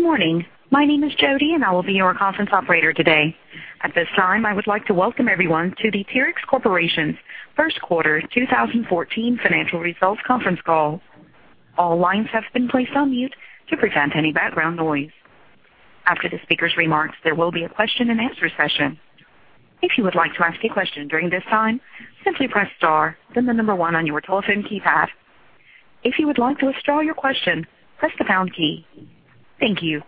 Good morning. My name is Jody, and I will be your conference operator today. At this time, I would like to welcome everyone to the Terex Corporation's first quarter 2014 financial results conference call. All lines have been placed on mute to prevent any background noise. After the speaker's remarks, there will be a question-and-answer session. If you would like to ask a question during this time, simply press star then the number one on your telephone keypad. If you would like to withdraw your question, press the pound key. Thank you.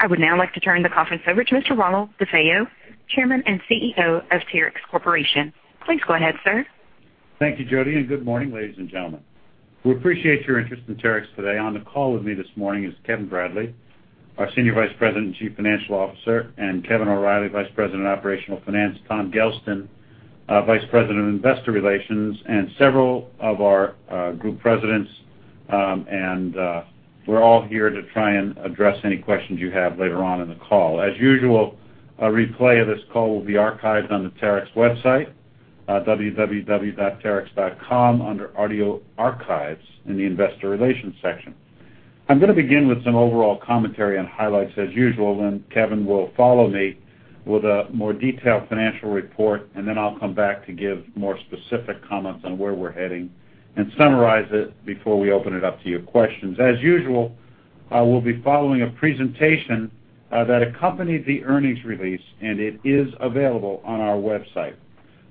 I would now like to turn the conference over to Mr. Ronald DeFeo, Chairman and CEO of Terex Corporation. Please go ahead, sir. Thank you, Jody, and good morning, ladies and gentlemen. We appreciate your interest in Terex today. On the call with me this morning is Kevin Bradley, our Senior Vice President and Chief Financial Officer, Kevin O'Reilly, Vice President of Operational Finance, Tom Gelston, Vice President of Investor Relations, and several of our group presidents. We're all here to try and address any questions you have later on in the call. As usual, a replay of this call will be archived on the Terex website at www.terex.com under Audio Archives in the Investor Relations section. I'm going to begin with some overall commentary and highlights as usual. Kevin will follow me with a more detailed financial report, and I'll come back to give more specific comments on where we're heading and summarize it before we open it up to your questions. As usual, I will be following a presentation that accompanied the earnings release, and it is available on our website.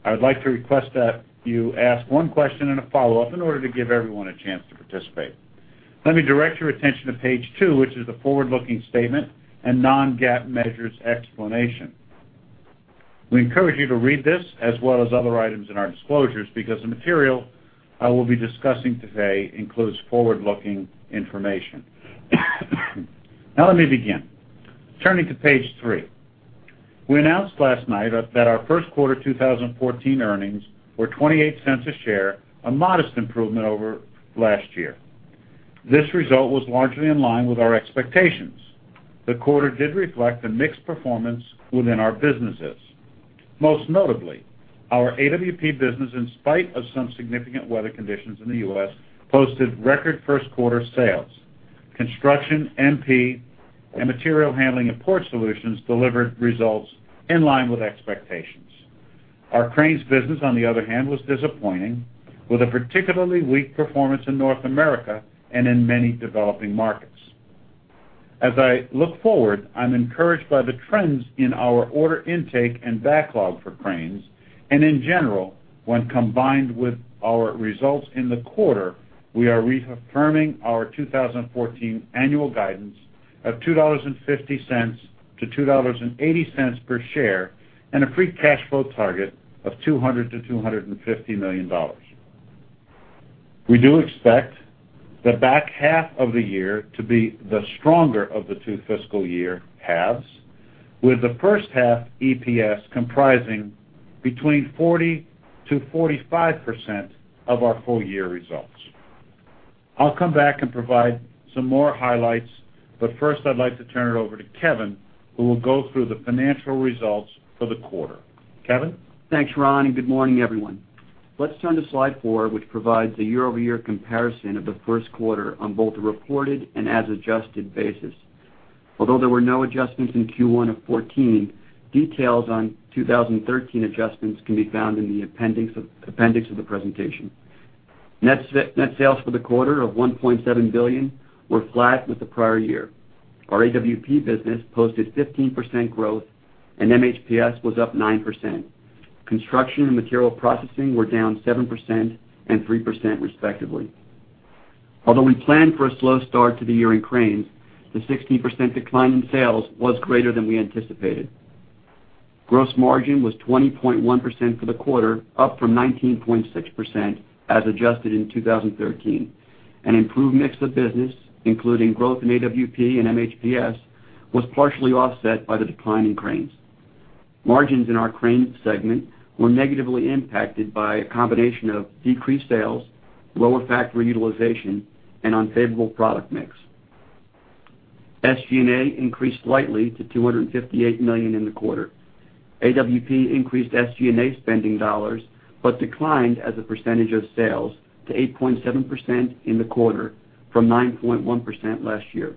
I would like to request that you ask one question and a follow-up in order to give everyone a chance to participate. Let me direct your attention to page two, which is the forward-looking statement and non-GAAP measures explanation. We encourage you to read this as well as other items in our disclosures because the material I will be discussing today includes forward-looking information. Now let me begin. Turning to page three. We announced last night that our first quarter 2014 earnings were $0.28 a share, a modest improvement over last year. This result was largely in line with our expectations. The quarter did reflect a mixed performance within our businesses. Most notably, our AWP business, in spite of some significant weather conditions in the U.S., posted record first-quarter sales. Construction, MP, and Material Handling and Port Solutions delivered results in line with expectations. Our Cranes business, on the other hand, was disappointing, with a particularly weak performance in North America and in many developing markets. As I look forward, I'm encouraged by the trends in our order intake and backlog for Cranes and in general, when combined with our results in the quarter, we are reaffirming our 2014 annual guidance of $2.50 to $2.80 per share and a free cash flow target of $200 million-$250 million. We do expect the back half of the year to be the stronger of the two fiscal year halves, with the first half EPS comprising between 40%-45% of our full year results. I'll come back and provide some more highlights. First, I'd like to turn it over to Kevin, who will go through the financial results for the quarter. Kevin? Thanks, Ron. Good morning, everyone. Let's turn to slide four, which provides a year-over-year comparison of the first quarter on both a reported and as adjusted basis. Although there were no adjustments in Q1 of 2014, details on 2013 adjustments can be found in the appendix of the presentation. Net sales for the quarter of $1.7 billion were flat with the prior year. Our AWP business posted 15% growth and MHPS was up 9%. Construction and Materials Processing were down 7% and 3% respectively. Although we planned for a slow start to the year in Cranes, the 16% decline in sales was greater than we anticipated. Gross margin was 20.1% for the quarter, up from 19.6% as adjusted in 2013. An improved mix of business, including growth in AWP and MHPS, was partially offset by the decline in Cranes. Margins in our Cranes segment were negatively impacted by a combination of decreased sales, lower factory utilization, and unfavorable product mix. SG&A increased slightly to $258 million in the quarter. AWP increased SG&A spending dollars, but declined as a percentage of sales to 8.7% in the quarter from 9.1% last year.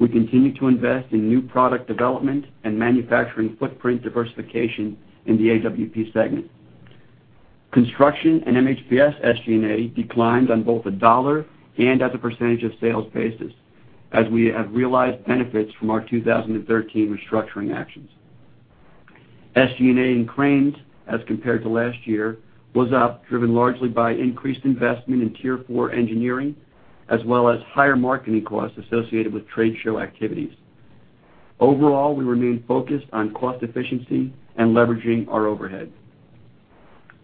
We continue to invest in new product development and manufacturing footprint diversification in the AWP segment. Construction and MHPS SG&A declined on both a dollar and as a percentage of sales basis as we have realized benefits from our 2013 restructuring actions. SG&A in Cranes, as compared to last year, was up, driven largely by increased investment in Tier 4 engineering, as well as higher marketing costs associated with trade show activities. Overall, we remain focused on cost efficiency and leveraging our overhead.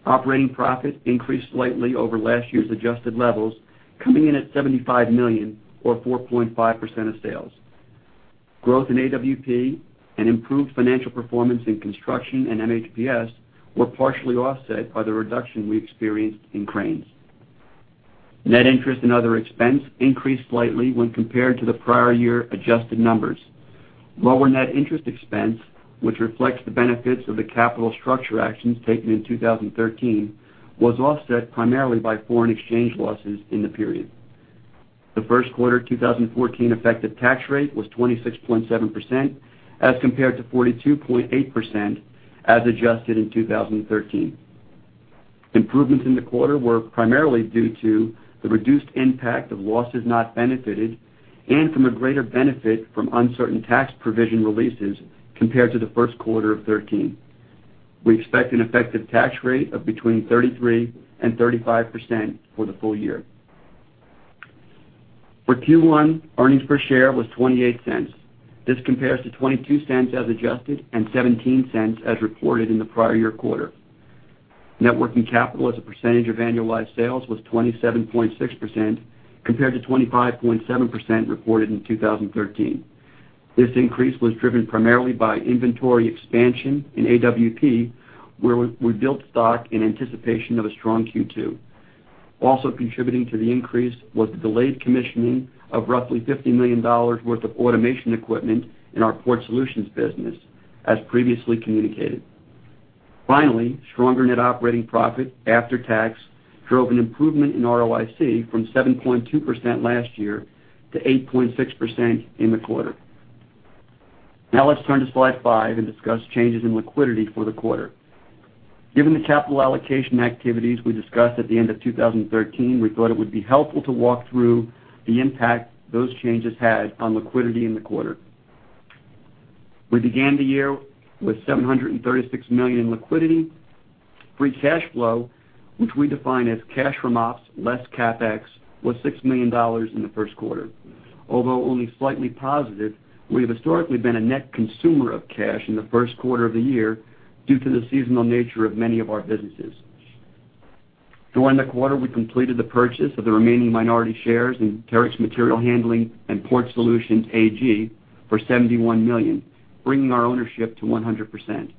Operating profit increased slightly over last year's adjusted levels, coming in at $75 million or 4.5% of sales. Growth in AWP and improved financial performance in Construction and MHPS were partially offset by the reduction we experienced in Cranes. Net interest and other expense increased slightly when compared to the prior year adjusted numbers. Lower net interest expense, which reflects the benefits of the capital structure actions taken in 2013, was offset primarily by foreign exchange losses in the period. The first quarter 2014 effective tax rate was 26.7% as compared to 42.8% as adjusted in 2013. Improvements in the quarter were primarily due to the reduced impact of losses not benefited and from a greater benefit from uncertain tax provision releases compared to the first quarter of 2013. We expect an effective tax rate of between 33%-35% for the full year. For Q1, earnings per share was $0.28. This compares to $0.22 as adjusted and $0.17 as reported in the prior year quarter. Networking capital as a percentage of annualized sales was 27.6% compared to 25.7% reported in 2013. This increase was driven primarily by inventory expansion in AWP, where we built stock in anticipation of a strong Q2. Also contributing to the increase was the delayed commissioning of roughly $50 million worth of automation equipment in our Port Solutions business, as previously communicated. Finally, stronger net operating profit after tax drove an improvement in ROIC from 7.2% last year to 8.6% in the quarter. Let's turn to slide five and discuss changes in liquidity for the quarter. Given the capital allocation activities we discussed at the end of 2013, we thought it would be helpful to walk through the impact those changes had on liquidity in the quarter. We began the year with $736 million in liquidity. Free cash flow, which we define as cash from ops less CapEx, was $6 million in the first quarter. Although only slightly positive, we have historically been a net consumer of cash in the first quarter of the year due to the seasonal nature of many of our businesses. During the quarter, we completed the purchase of the remaining minority shares in Terex Material Handling & Port Solutions AG for $71 million, bringing our ownership to 100%.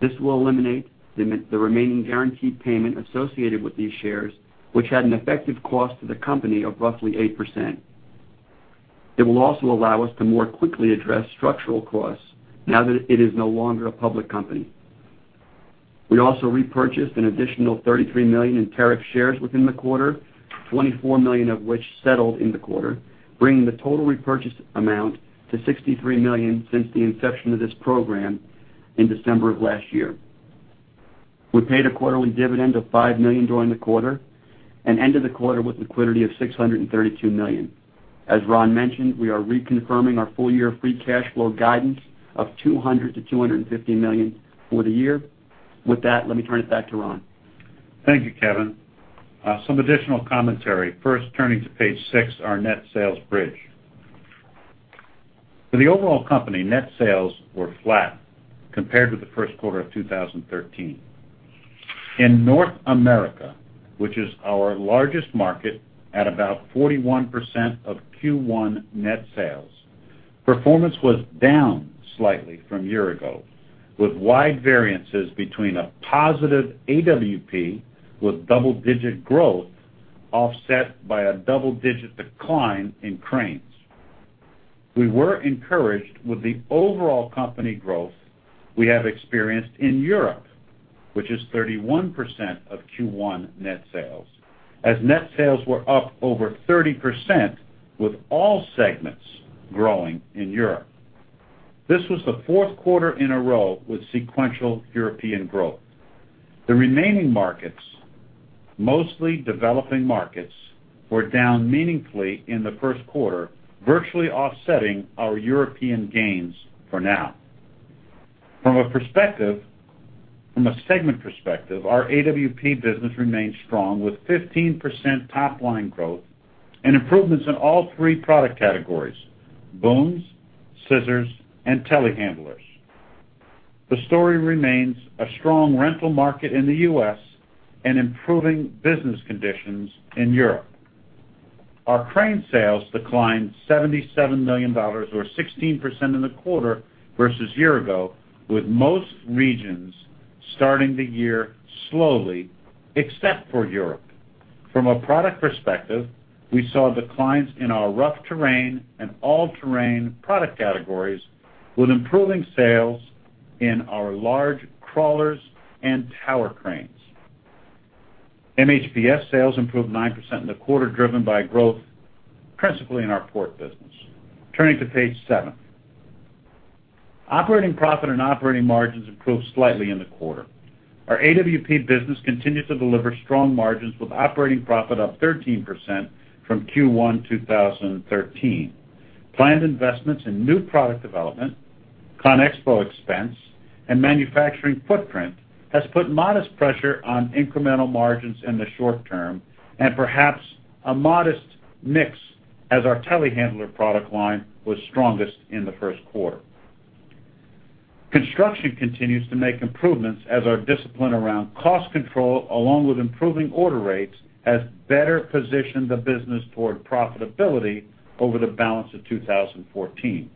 This will eliminate the remaining guaranteed payment associated with these shares, which had an effective cost to the company of roughly 8%. It will also allow us to more quickly address structural costs now that it is no longer a public company. We also repurchased an additional $33 million in Terex shares within the quarter, $24 million of which settled in the quarter, bringing the total repurchase amount to $63 million since the inception of this program in December of last year. We paid a quarterly dividend of $5 million during the quarter and ended the quarter with liquidity of $632 million. As Ron mentioned, we are reconfirming our full year free cash flow guidance of $200 million-$250 million for the year. Let me turn it back to Ron. Thank you, Kevin. Some additional commentary. Turning to page six, our net sales bridge. For the overall company, net sales were flat compared to the first quarter of 2013. In North America, which is our largest market at about 41% of Q1 net sales, performance was down slightly from a year ago, with wide variances between a positive AWP with double-digit growth offset by a double-digit decline in cranes. We were encouraged with the overall company growth we have experienced in Europe, which is 31% of Q1 net sales, as net sales were up over 30% with all segments growing in Europe. This was the fourth quarter in a row with sequential European growth. The remaining markets, mostly developing markets, were down meaningfully in the first quarter, virtually offsetting our European gains for now. From a segment perspective, our AWP business remains strong with 15% top-line growth and improvements in all three product categories: booms, scissors, and telehandlers. The story remains a strong rental market in the U.S. and improving business conditions in Europe. Our crane sales declined $77 million, or 16% in the quarter versus year-ago, with most regions starting the year slowly, except for Europe. From a product perspective, we saw declines in our rough terrain and all-terrain product categories with improving sales in our large crawlers and tower cranes. MHPS sales improved 9% in the quarter, driven by growth principally in our port business. Turning to page seven. Operating profit and operating margins improved slightly in the quarter. Our AWP business continued to deliver strong margins, with operating profit up 13% from Q1 2013. Planned investments in new product development, CONEXPO expense, and manufacturing footprint has put modest pressure on incremental margins in the short term and perhaps a modest mix as our telehandler product line was strongest in the first quarter. Construction continues to make improvements as our discipline around cost control along with improving order rates has better positioned the business toward profitability over the balance of 2014.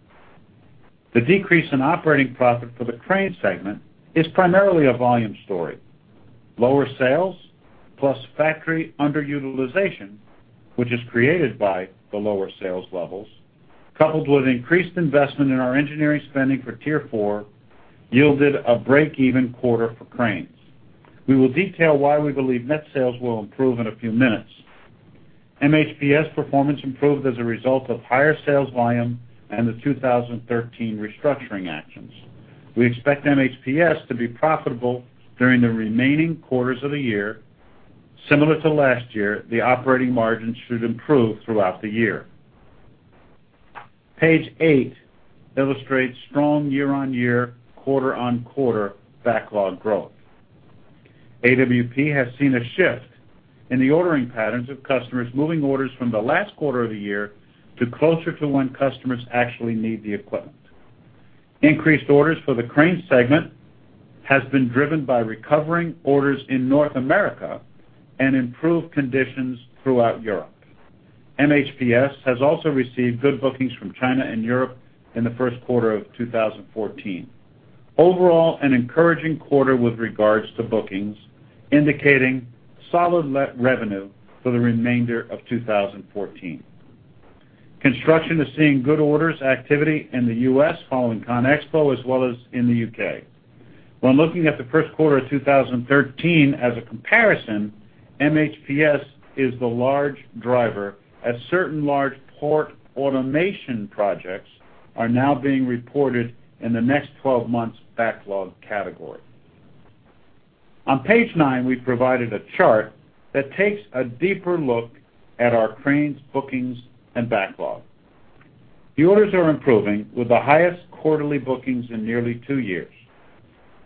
The decrease in operating profit for the crane segment is primarily a volume story. Lower sales plus factory underutilization, which is created by the lower sales levels, coupled with increased investment in our engineering spending for Tier 4, yielded a break-even quarter for cranes. We will detail why we believe net sales will improve in a few minutes. MHPS performance improved as a result of higher sales volume and the 2013 restructuring actions. We expect MHPS to be profitable during the remaining quarters of the year. Similar to last year, the operating margins should improve throughout the year. Page eight illustrates strong year-on-year, quarter-on-quarter backlog growth. AWP has seen a shift in the ordering patterns of customers moving orders from the last quarter of the year to closer to when customers actually need the equipment. Increased orders for the crane segment has been driven by recovering orders in North America and improved conditions throughout Europe. MHPS has also received good bookings from China and Europe in the first quarter of 2014. Overall, an encouraging quarter with regards to bookings, indicating solid net revenue for the remainder of 2014. Construction is seeing good orders activity in the U.S. following CONEXPO as well as in the U.K. When looking at the first quarter of 2013 as a comparison, MHPS is the large driver, as certain large port automation projects are now being reported in the next 12 months backlog category. On page nine, we've provided a chart that takes a deeper look at our cranes bookings and backlog. The orders are improving with the highest quarterly bookings in nearly two years.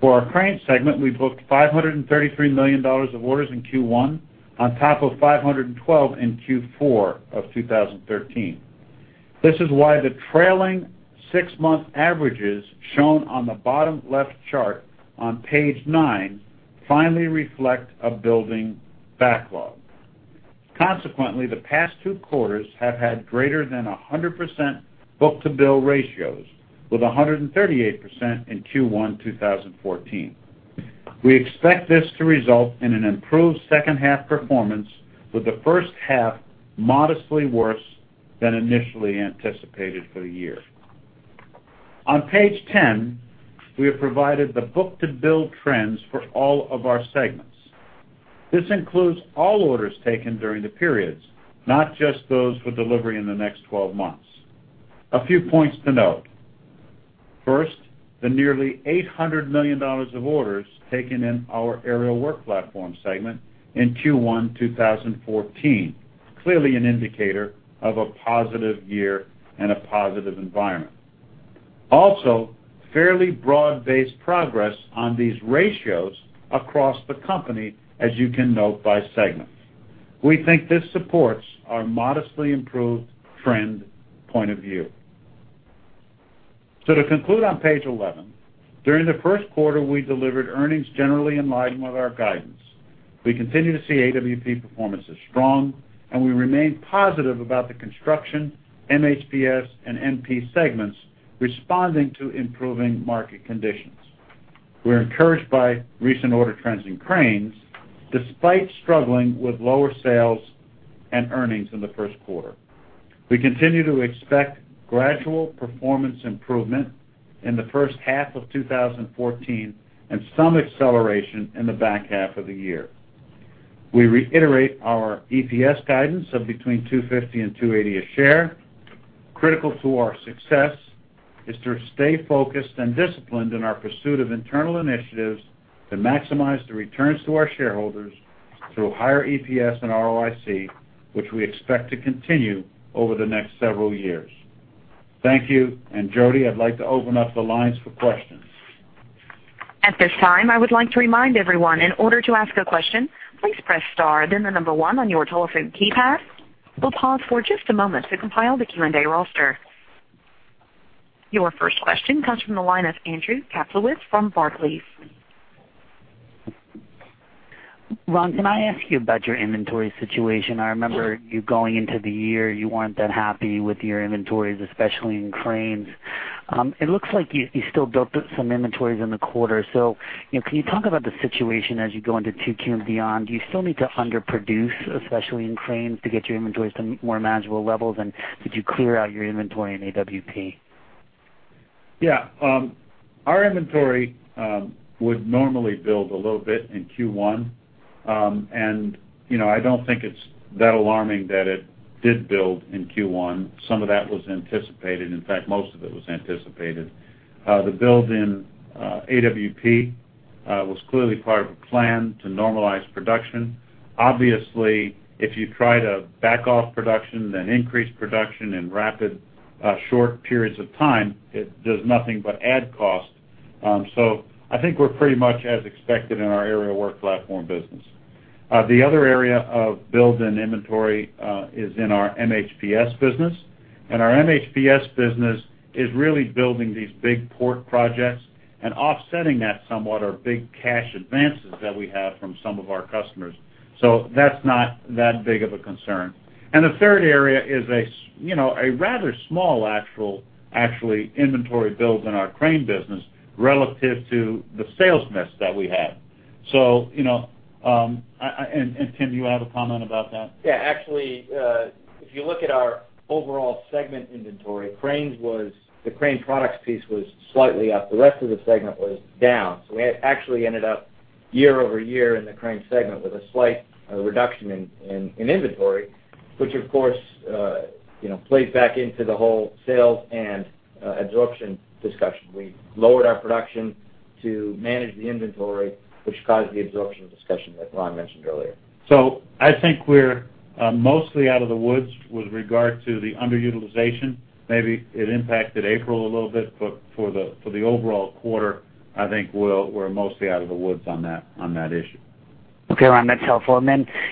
For our crane segment, we booked $533 million of orders in Q1 on top of $512 million in Q4 of 2013. This is why the trailing six-month averages shown on the bottom left chart on page nine finally reflect a building backlog. Consequently, the past two quarters have had greater than 100% book-to-bill ratios, with 138% in Q1 2014. We expect this to result in an improved second half performance, with the first half modestly worse than initially anticipated for the year. On page 10, we have provided the book-to-bill trends for all of our segments. This includes all orders taken during the periods, not just those for delivery in the next 12 months. A few points to note. First, the nearly $800 million of orders taken in our Aerial Work Platform segment in Q1 2014, clearly an indicator of a positive year and a positive environment. Also, fairly broad-based progress on these ratios across the company, as you can note by segment. We think this supports our modestly improved trend point of view. To conclude on page 11, during the first quarter, we delivered earnings generally in line with our guidance. We continue to see AWP performance is strong, and we remain positive about the Construction, MHPS, and MP segments responding to improving market conditions. We're encouraged by recent order trends in Cranes, despite struggling with lower sales and earnings in the first quarter. We continue to expect gradual performance improvement in the first half of 2014 and some acceleration in the back half of the year. We reiterate our EPS guidance of between $2.50 and $2.80 a share. Critical to our success is to stay focused and disciplined in our pursuit of internal initiatives to maximize the returns to our shareholders through higher EPS and ROIC, which we expect to continue over the next several years. Thank you, and Jody, I'd like to open up the lines for questions. At this time, I would like to remind everyone, in order to ask a question, please press star then the number 1 on your telephone keypad. We'll pause for just a moment to compile the Q&A roster. Your first question comes from the line of Andrew Kaplowitz from Barclays. Ron, can I ask you about your inventory situation? I remember you going into the year, you weren't that happy with your inventories, especially in Cranes. It looks like you still built up some inventories in the quarter. Can you talk about the situation as you go into 2Q and beyond? Do you still need to underproduce, especially in Cranes, to get your inventories to more manageable levels? Did you clear out your inventory in AWP? Yeah. Our inventory would normally build a little bit in Q1. I don't think it's that alarming that it did build in Q1. Some of that was anticipated. In fact, most of it was anticipated. The build in AWP was clearly part of a plan to normalize production. Obviously, if you try to back off production, then increase production in rapid, short periods of time, it does nothing but add cost. I think we're pretty much as expected in our AWP business. The other area of build in inventory is in our MHPS business. Our MHPS business is really building these big port projects and offsetting that somewhat are big cash advances that we have from some of our customers. That's not that big of a concern. The third area is a rather small actual inventory build in our Crane business relative to the sales mix that we have. Tim, do you have a comment about that? Yeah, actually, if you look at our overall segment inventory, the Cranes products piece was slightly up. The rest of the segment was down. We had actually ended up year-over-year in the Cranes segment with a slight reduction in inventory, which of course, plays back into the whole sales and absorption discussion. We lowered our production to manage the inventory, which caused the absorption discussion that Ron mentioned earlier. I think we're mostly out of the woods with regard to the underutilization. Maybe it impacted April a little bit, for the overall quarter, I think we're mostly out of the woods on that issue. Okay, Ron, that's helpful.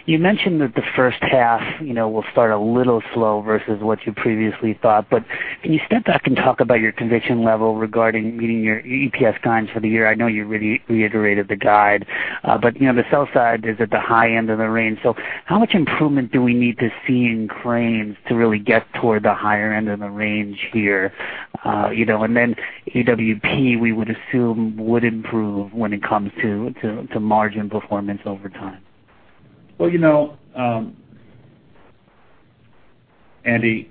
You mentioned that the first half will start a little slow versus what you previously thought. Can you step back and talk about your conviction level regarding meeting your EPS guidance for the year? I know you've already reiterated the guide, but the sell side is at the high end of the range. How much improvement do we need to see in Cranes to really get toward the higher end of the range here? AWP, we would assume would improve when it comes to margin performance over time. Well, Andy,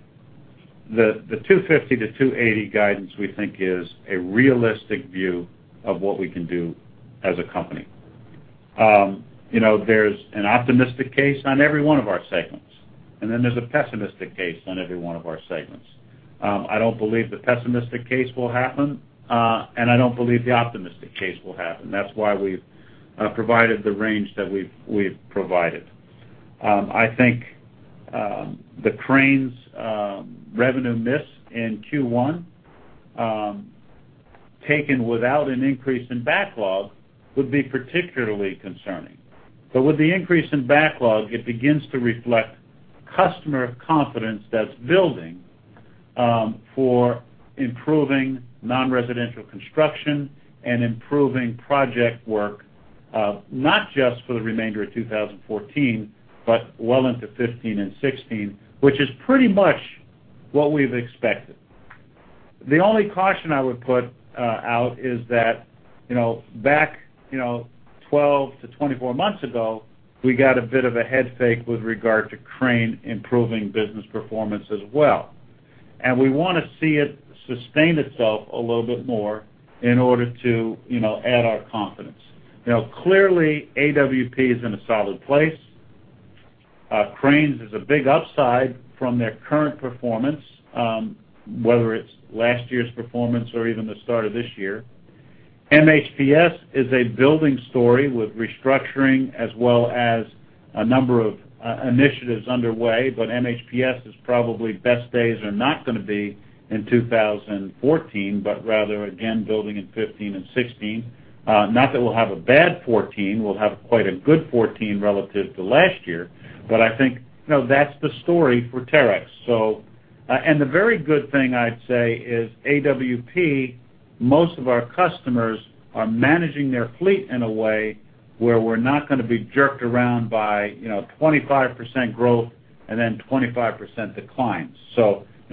the $2.50-$2.80 guidance we think is a realistic view of what we can do as a company. There's an optimistic case on every one of our segments, and there's a pessimistic case on every one of our segments. I don't believe the pessimistic case will happen, and I don't believe the optimistic case will happen. That's why we've provided the range that we've provided. I think, the Cranes revenue miss in Q1, taken without an increase in backlog would be particularly concerning. With the increase in backlog, it begins to reflect customer confidence that's building, for improving non-residential construction and improving project work, not just for the remainder of 2014, but well into 2015 and 2016, which is pretty much what we've expected. The only caution I would put out is that back 12-24 months ago, we got a bit of a head fake with regard to Cranes improving business performance as well. We want to see it sustain itself a little bit more in order to add our confidence. Clearly, AWP is in a solid place. Cranes is a big upside from their current performance, whether it's last year's performance or even the start of this year. MHPS is a building story with restructuring as well as a number of initiatives underway, MHPS is probably best days are not going to be in 2014, but rather again, building in 2015 and 2016. Not that we'll have a bad 2014, we'll have quite a good 2014 relative to last year. I think that's the story for Terex. The very good thing I'd say is AWP, most of our customers are managing their fleet in a way where we're not going to be jerked around by 25% growth and then 25% declines.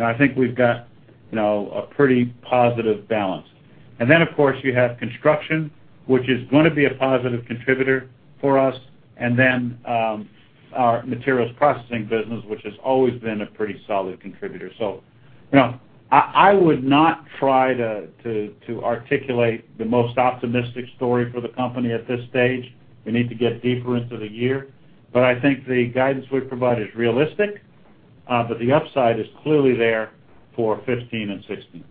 I think we've got a pretty positive balance. Of course, you have construction, which is going to be a positive contributor for us, and our Materials Processing business, which has always been a pretty solid contributor. I would not try to articulate the most optimistic story for the company at this stage. We need to get deeper into the year. I think the guidance we provide is realistic, but the upside is clearly there for 2015 and 2016.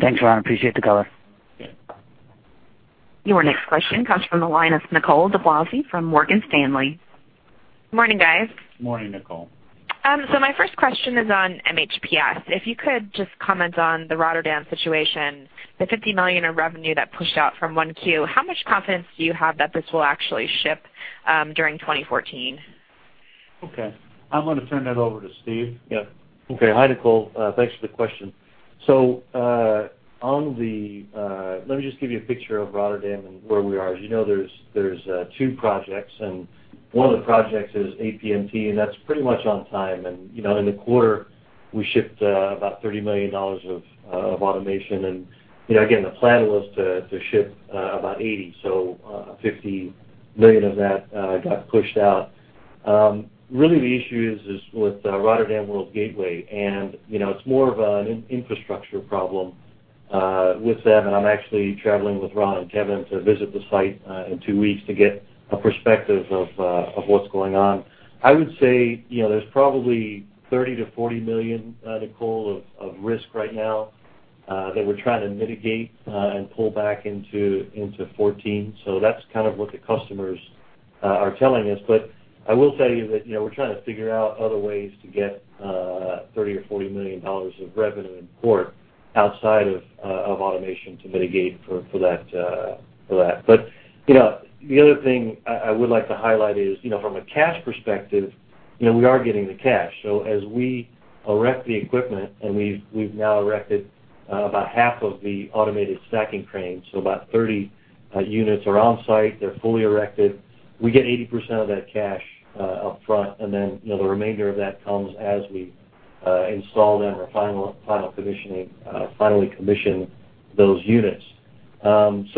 Thanks, Ron. Appreciate the color. Yeah. Your next question comes from the line of Nicole DeBlase from Morgan Stanley. Morning, guys. Morning, Nicole. My first question is on MHPS. If you could just comment on the Rotterdam situation, the $50 million in revenue that pushed out from 1Q, how much confidence do you have that this will actually ship during 2014? Okay. I'm going to turn that over to Steve. Yeah. Okay. Hi, Nicole. Thanks for the question. Let me just give you a picture of Rotterdam and where we are. As you know, there's two projects, and one of the projects is APMT, and that's pretty much on time. In the quarter, we shipped about $30 million of automation. Again, the plan was to ship about 80, so $50 million of that got pushed out. Really the issue is with Rotterdam World Gateway, and it's more of an infrastructure problem with them, and I'm actually traveling with Ron and Kevin to visit the site in two weeks to get a perspective of what's going on. I would say there's probably $30 million-$40 million, Nicole, of risk right now, that we're trying to mitigate and pull back into 2014. That's what the customers are telling us. I will tell you that we're trying to figure out other ways to get $30 million or $40 million of revenue in port outside of automation to mitigate for that. The other thing I would like to highlight is from a cash perspective, we are getting the cash. As we erect the equipment, and we've now erected about half of the automated stacking cranes, so about 30 units are on site, they're fully erected. We get 80% of that cash upfront, and then the remainder of that comes as we install them or finally commission those units. That's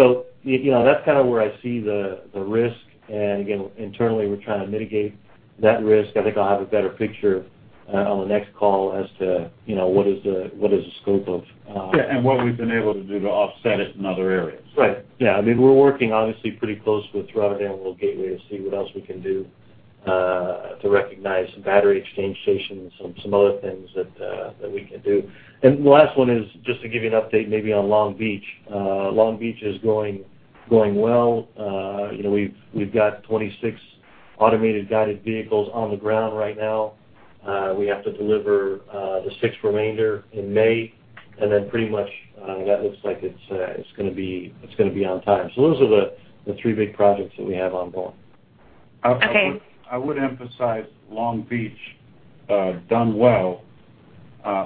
where I see the risk, and again, internally, we're trying to mitigate that risk. I think I'll have a better picture on the next call. Yeah, what we've been able to do to offset it in other areas. Right. Yeah. We're working obviously pretty close with Rothschild & Co and Rotterdam World Gateway to see what else we can do to recognize battery exchange stations, some other things that we can do. The last one is just to give you an update maybe on Long Beach. Long Beach is going well. We've got 26 automated guided vehicles on the ground right now. We have to deliver the six remainder in May, then pretty much that looks like it's going to be on time. Those are the three big projects that we have on board. Okay. I would emphasize Long Beach done well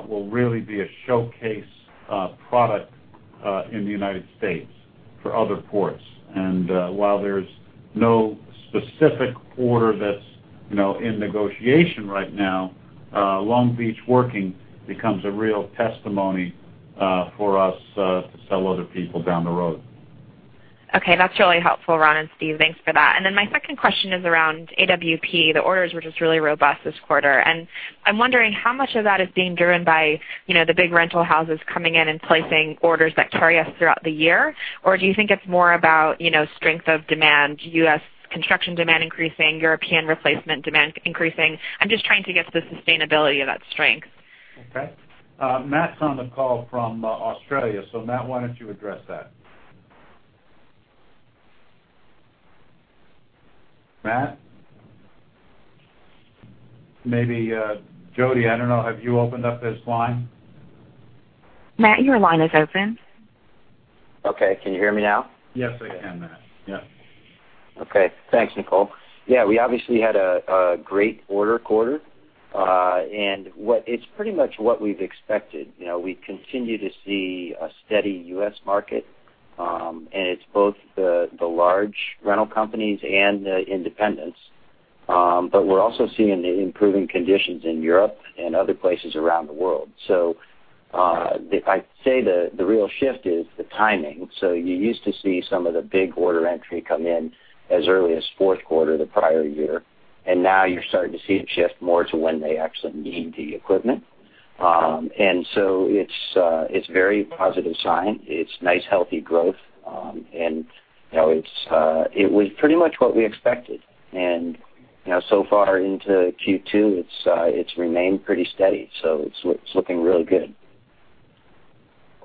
will really be a showcase product in the U.S. for other ports. While there's no specific order that's in negotiation right now, Long Beach working becomes a real testimony for us to sell other people down the road. Okay, that's really helpful, Ron and Steve. Thanks for that. My second question is around AWP. The orders were just really robust this quarter. I'm wondering how much of that is being driven by the big rental houses coming in and placing orders that carry us throughout the year? Or do you think it's more about strength of demand, U.S. construction demand increasing, European replacement demand increasing? I'm just trying to get the sustainability of that strength. Okay. Matt's on the call from Australia. Matt, why don't you address that? Matt? Maybe Jody, I don't know, have you opened up this line? Matt, your line is open. Okay. Can you hear me now? Yes, I can, Matt. Yeah. Okay. Thanks, Nicole. Yeah, we obviously had a great order quarter. It's pretty much what we've expected. We continue to see a steady U.S. market, and it's both the large rental companies and the independents. We're also seeing improving conditions in Europe and other places around the world. I'd say the real shift is the timing. You used to see some of the big order entry come in as early as fourth quarter the prior year, and now you're starting to see it shift more to when they actually need the equipment. It's a very positive sign. It's nice, healthy growth. It was pretty much what we expected. Far into Q2, it's remained pretty steady, so it's looking really good.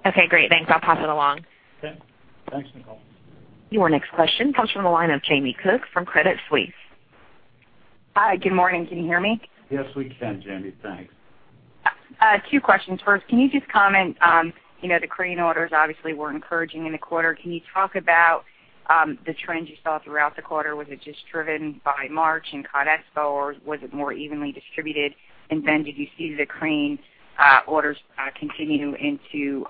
Okay, great. Thanks. I'll pass it along. Okay. Thanks, Nicole. Your next question comes from the line of Jamie Cook from Credit Suisse. Hi. Good morning. Can you hear me? Yes, we can, Jamie. Thanks. Two questions. First, can you just comment on the crane orders obviously were encouraging in the quarter. Can you talk about the trends you saw throughout the quarter? Was it just driven by March and CONEXPO, or was it more evenly distributed? Did you see the crane orders continue into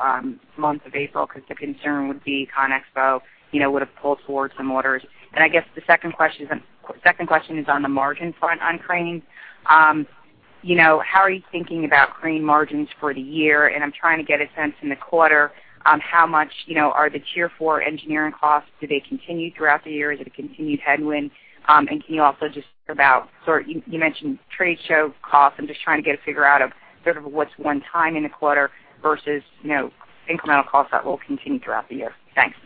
month of April? Because the concern would be CONEXPO would've pulled forward some orders. I guess the second question is on the margin front on cranes. How are you thinking about crane margins for the year? I'm trying to get a sense in the quarter how much are the Tier 4 engineering costs? Do they continue throughout the year? Is it a continued headwind? You mentioned trade show costs. I'm just trying to get a figure out of sort of what's one time in the quarter versus incremental costs that will continue throughout the year. Thanks.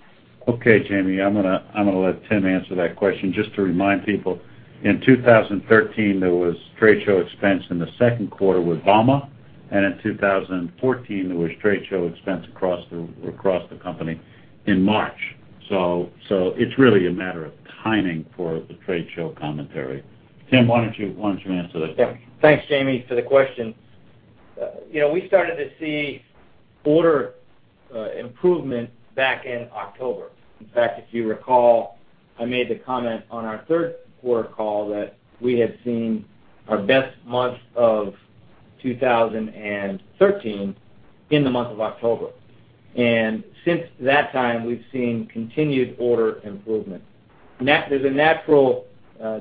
Okay, Jamie. I'm going to let Tim answer that question. Just to remind people, in 2013, there was trade show expense in the second quarter with Bauma, and in 2014, there was trade show expense across the company in March. It's really a matter of timing for the trade show commentary. Tim, why don't you answer that question? Thanks, Jamie, for the question. We started to see order improvement back in October. In fact, if you recall, I made the comment on our third quarter call that we had seen our best month of 2013 in the month of October. Since that time, we've seen continued order improvement. There's a natural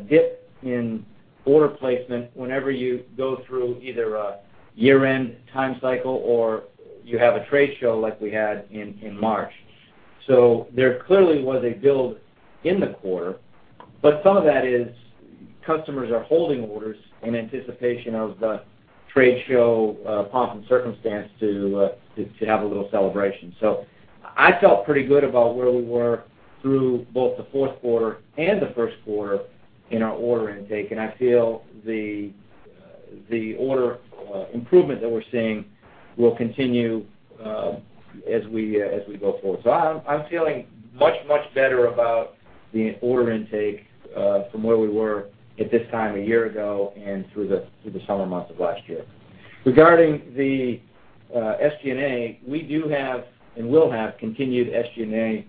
dip in order placement whenever you go through either a year-end time cycle or you have a trade show like we had in March. There clearly was a build in the quarter, but some of that is customers are holding orders in anticipation of the trade show pomp and circumstance to have a little celebration. I felt pretty good about where we were through both the fourth quarter and the first quarter in our order intake, and I feel the order improvement that we're seeing will continue as we go forward. I'm feeling much, much better about the order intake from where we were at this time a year ago and through the summer months of last year. Regarding the SG&A, we do have and will have continued SG&A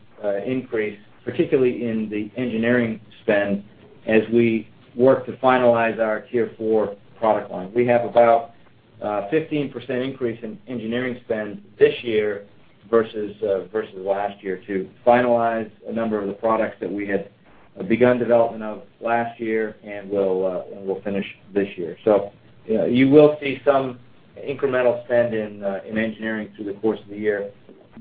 increase, particularly in the engineering spend as we work to finalize our Tier 4 product line. We have about a 15% increase in engineering spend this year versus last year to finalize a number of the products that we had begun development of last year and will finish this year. You will see some incremental spend in engineering through the course of the year.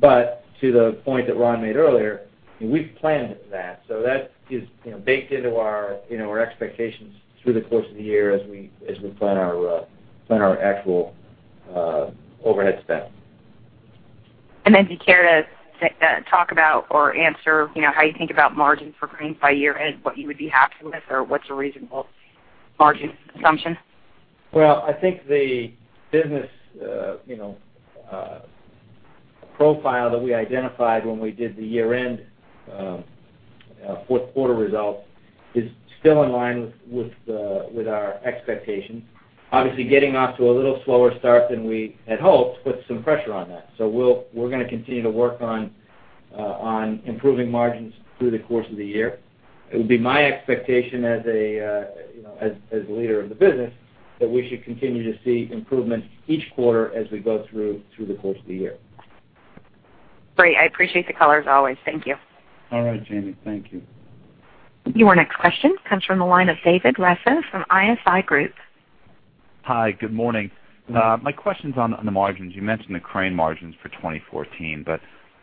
To the point that Ron made earlier, we've planned that, so that is baked into our expectations through the course of the year as we plan our actual overhead spend. Do you care to talk about or answer how you think about margin for cranes by year-end, what you would be happy with or what's a reasonable margin assumption? Well, I think the business profile that we identified when we did the year-end fourth quarter results is still in line with our expectations. Obviously, getting off to a little slower start than we had hoped put some pressure on that. We're going to continue to work on improving margins through the course of the year. It would be my expectation as leader of the business, that we should continue to see improvements each quarter as we go through the course of the year. Great. I appreciate the color, as always. Thank you. All right, Jamie. Thank you. Your next question comes from the line of David Raso from ISI Group. Hi. Good morning. Good morning. My question's on the margins. You mentioned the crane margins for 2014, but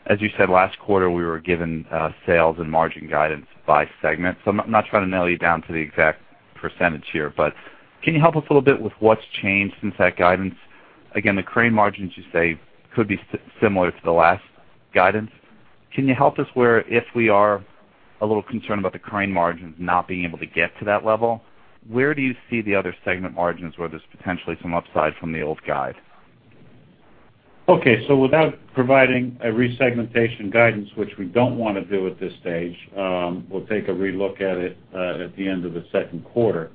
as you said last quarter, we were given sales and margin guidance by segment, so I'm not trying to nail you down to the exact percentage here. Can you help us a little bit with what's changed since that guidance? The crane margins you say could be similar to the last guidance. Can you help us where if we are a little concerned about the crane margins not being able to get to that level, where do you see the other segment margins where there's potentially some upside from the old guide? Without providing a resegmentation guidance, which we don't want to do at this stage, we'll take a re-look at it at the end of the second quarter.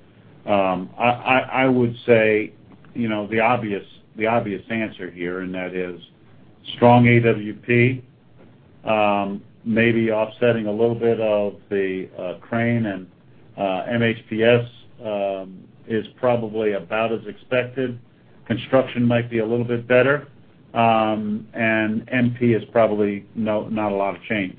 I would say the obvious answer here, and that is strong AWP, maybe offsetting a little bit of the crane and MHPS, is probably about as expected. Construction might be a little bit better. MP is probably not a lot of change.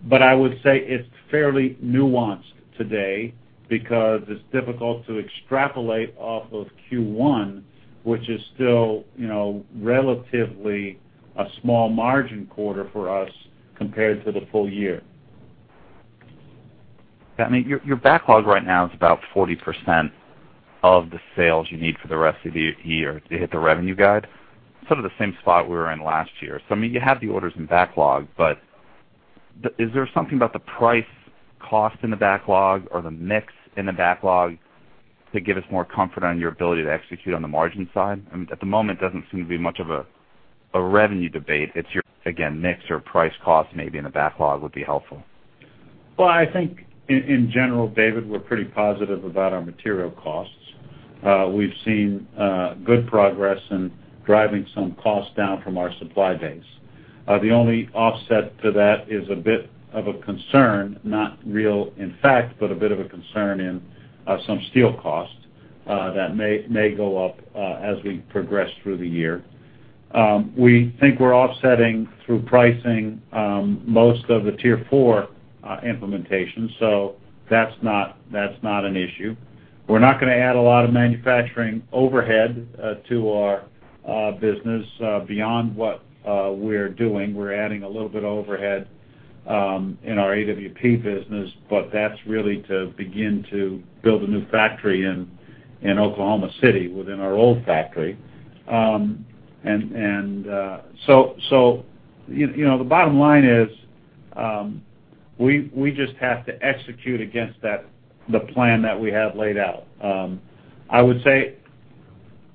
I would say it's fairly nuanced today because it's difficult to extrapolate off of Q1, which is still relatively a small margin quarter for us compared to the full year. I mean, your backlog right now is about 40% of the sales you need for the rest of the year to hit the revenue guide, sort of the same spot we were in last year. I mean, you have the orders in backlog, is there something about the price cost in the backlog or the mix in the backlog to give us more comfort on your ability to execute on the margin side? I mean, at the moment, it doesn't seem to be much of a revenue debate. It's your, again, mix or price cost maybe in the backlog would be helpful. Well, I think in general, David, we're pretty positive about our material costs. We've seen good progress in driving some costs down from our supply base. The only offset to that is a bit of a concern, not real in fact, but a bit of a concern in some steel cost that may go up as we progress through the year. We think we're offsetting through pricing most of the Tier 4 implementation, that's not an issue. We're not going to add a lot of manufacturing overhead to our business beyond what we're doing. We're adding a little bit of overhead in our AWP business, but that's really to begin to build a new factory in Oklahoma City within our old factory. The bottom line is, we just have to execute against the plan that we have laid out. I would say,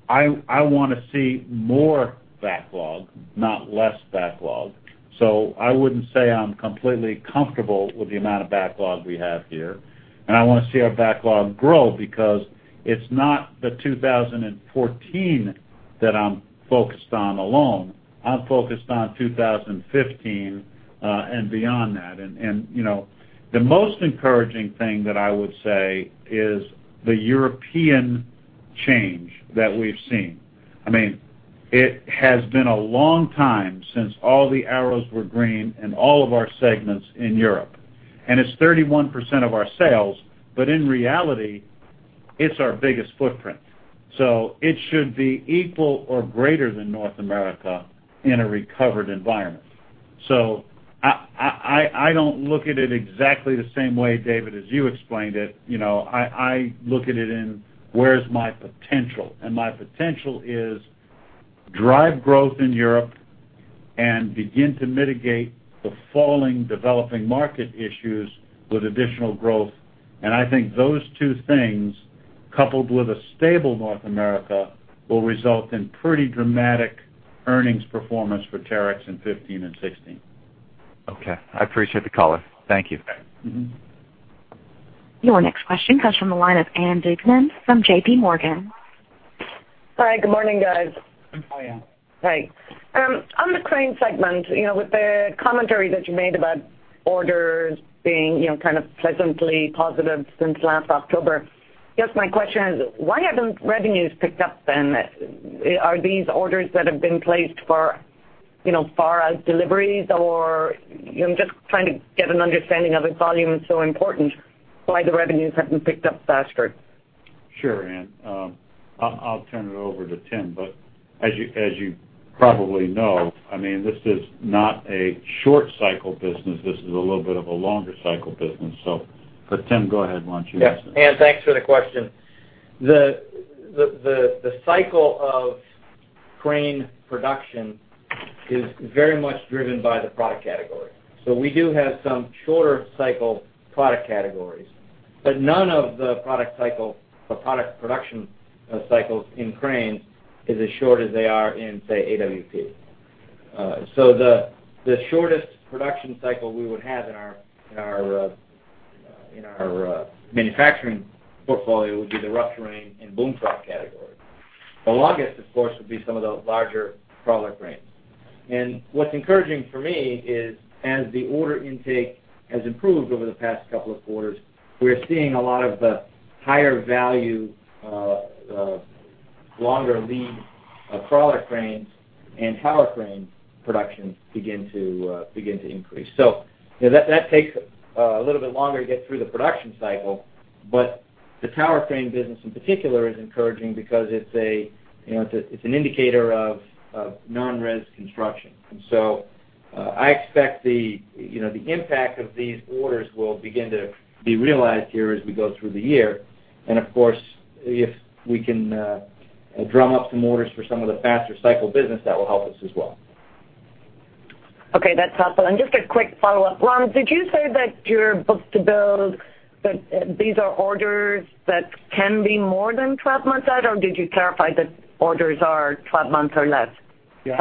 I want to see more backlog, not less backlog. I wouldn't say I'm completely comfortable with the amount of backlog we have here. I want to see our backlog grow because it's not the 2014 that I'm focused on alone. I'm focused on 2015 and beyond that. The most encouraging thing that I would say is the European change that we've seen. I mean, it has been a long time since all the arrows were green in all of our segments in Europe, it's 31% of our sales, in reality, it's our biggest footprint. It should be equal or greater than North America in a recovered environment. I don't look at it exactly the same way, David, as you explained it. I look at it in where's my potential, and my potential is drive growth in Europe and begin to mitigate the falling developing market issues with additional growth. I think those two things, coupled with a stable North America, will result in pretty dramatic earnings performance for Terex in 2015 and 2016. Okay. I appreciate the color. Thank you. Your next question comes from the line of Ann Duignan from J.P. Morgan. Hi. Good morning, guys. Hi, Ann. Hi. On the crane segment, with the commentary that you made about orders being kind of pleasantly positive since last October, I guess my question is, why haven't revenues picked up then? Are these orders that have been placed for as far out deliveries or I'm just trying to get an understanding of if volume is so important, why the revenues haven't picked up faster. Sure, Ann. I'll turn it over to Tim, as you probably know, this is not a short cycle business. This is a little bit of a longer cycle business. Tim, go ahead. Why don't you answer? Yeah. Ann, thanks for the question. The cycle of crane production is very much driven by the product category. We do have some shorter cycle product categories, but none of the product production cycles in cranes is as short as they are in, say, AWP. The shortest production cycle we would have in our manufacturing portfolio would be the rough terrain and boom truck category. The longest, of course, would be some of the larger crawler cranes. What's encouraging for me is as the order intake has improved over the past couple of quarters, we're seeing a lot of the higher value, longer lead, crawler cranes and tower crane production begin to increase. That takes a little bit longer to get through the production cycle, but the tower crane business in particular is encouraging because it's an indicator of non-res construction. I expect the impact of these orders will begin to be realized here as we go through the year. Of course, if we can drum up some orders for some of the faster cycle business, that will help us as well. Okay. That's helpful. Just a quick follow-up. Ron, did you say that your book-to-bill, that these are orders that can be more than 12 months out or did you clarify that orders are 12 months or less? Yeah.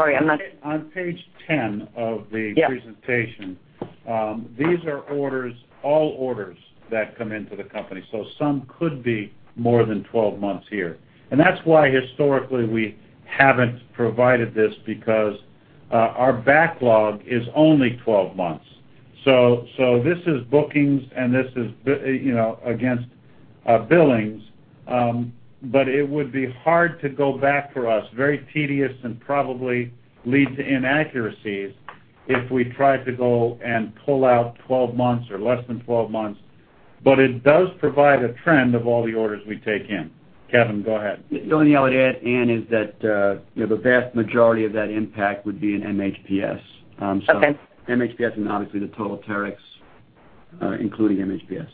On page 10 of the presentation. Yeah. These are all orders that come into the company. Some could be more than 12 months here. That's why historically we haven't provided this because our backlog is only 12 months. This is bookings and this is against billings. It would be hard to go back for us, very tedious and probably lead to inaccuracies if we tried to go and pull out 12 months or less than 12 months. It does provide a trend of all the orders we take in. Kevin, go ahead. The only thing I would add, Ann, is that the vast majority of that impact would be in MHPS. Okay. MHPS and obviously the total Terex, including MHPS. Okay.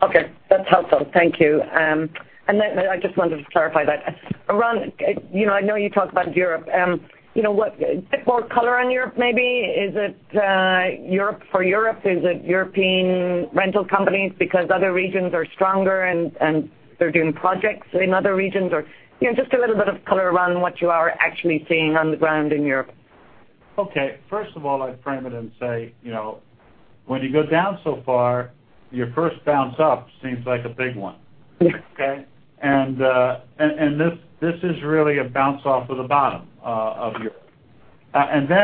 That's helpful. Thank you. I just wanted to clarify that. Ron, I know you talked about Europe. A bit more color on Europe maybe? For Europe, is it European rental companies because other regions are stronger and they're doing projects in other regions? Or, just a little bit of color around what you are actually seeing on the ground in Europe. Okay. First of all, I'd frame it and say, when you go down so far, your first bounce up seems like a big one. Okay? This is really a bounce off of the bottom of Europe.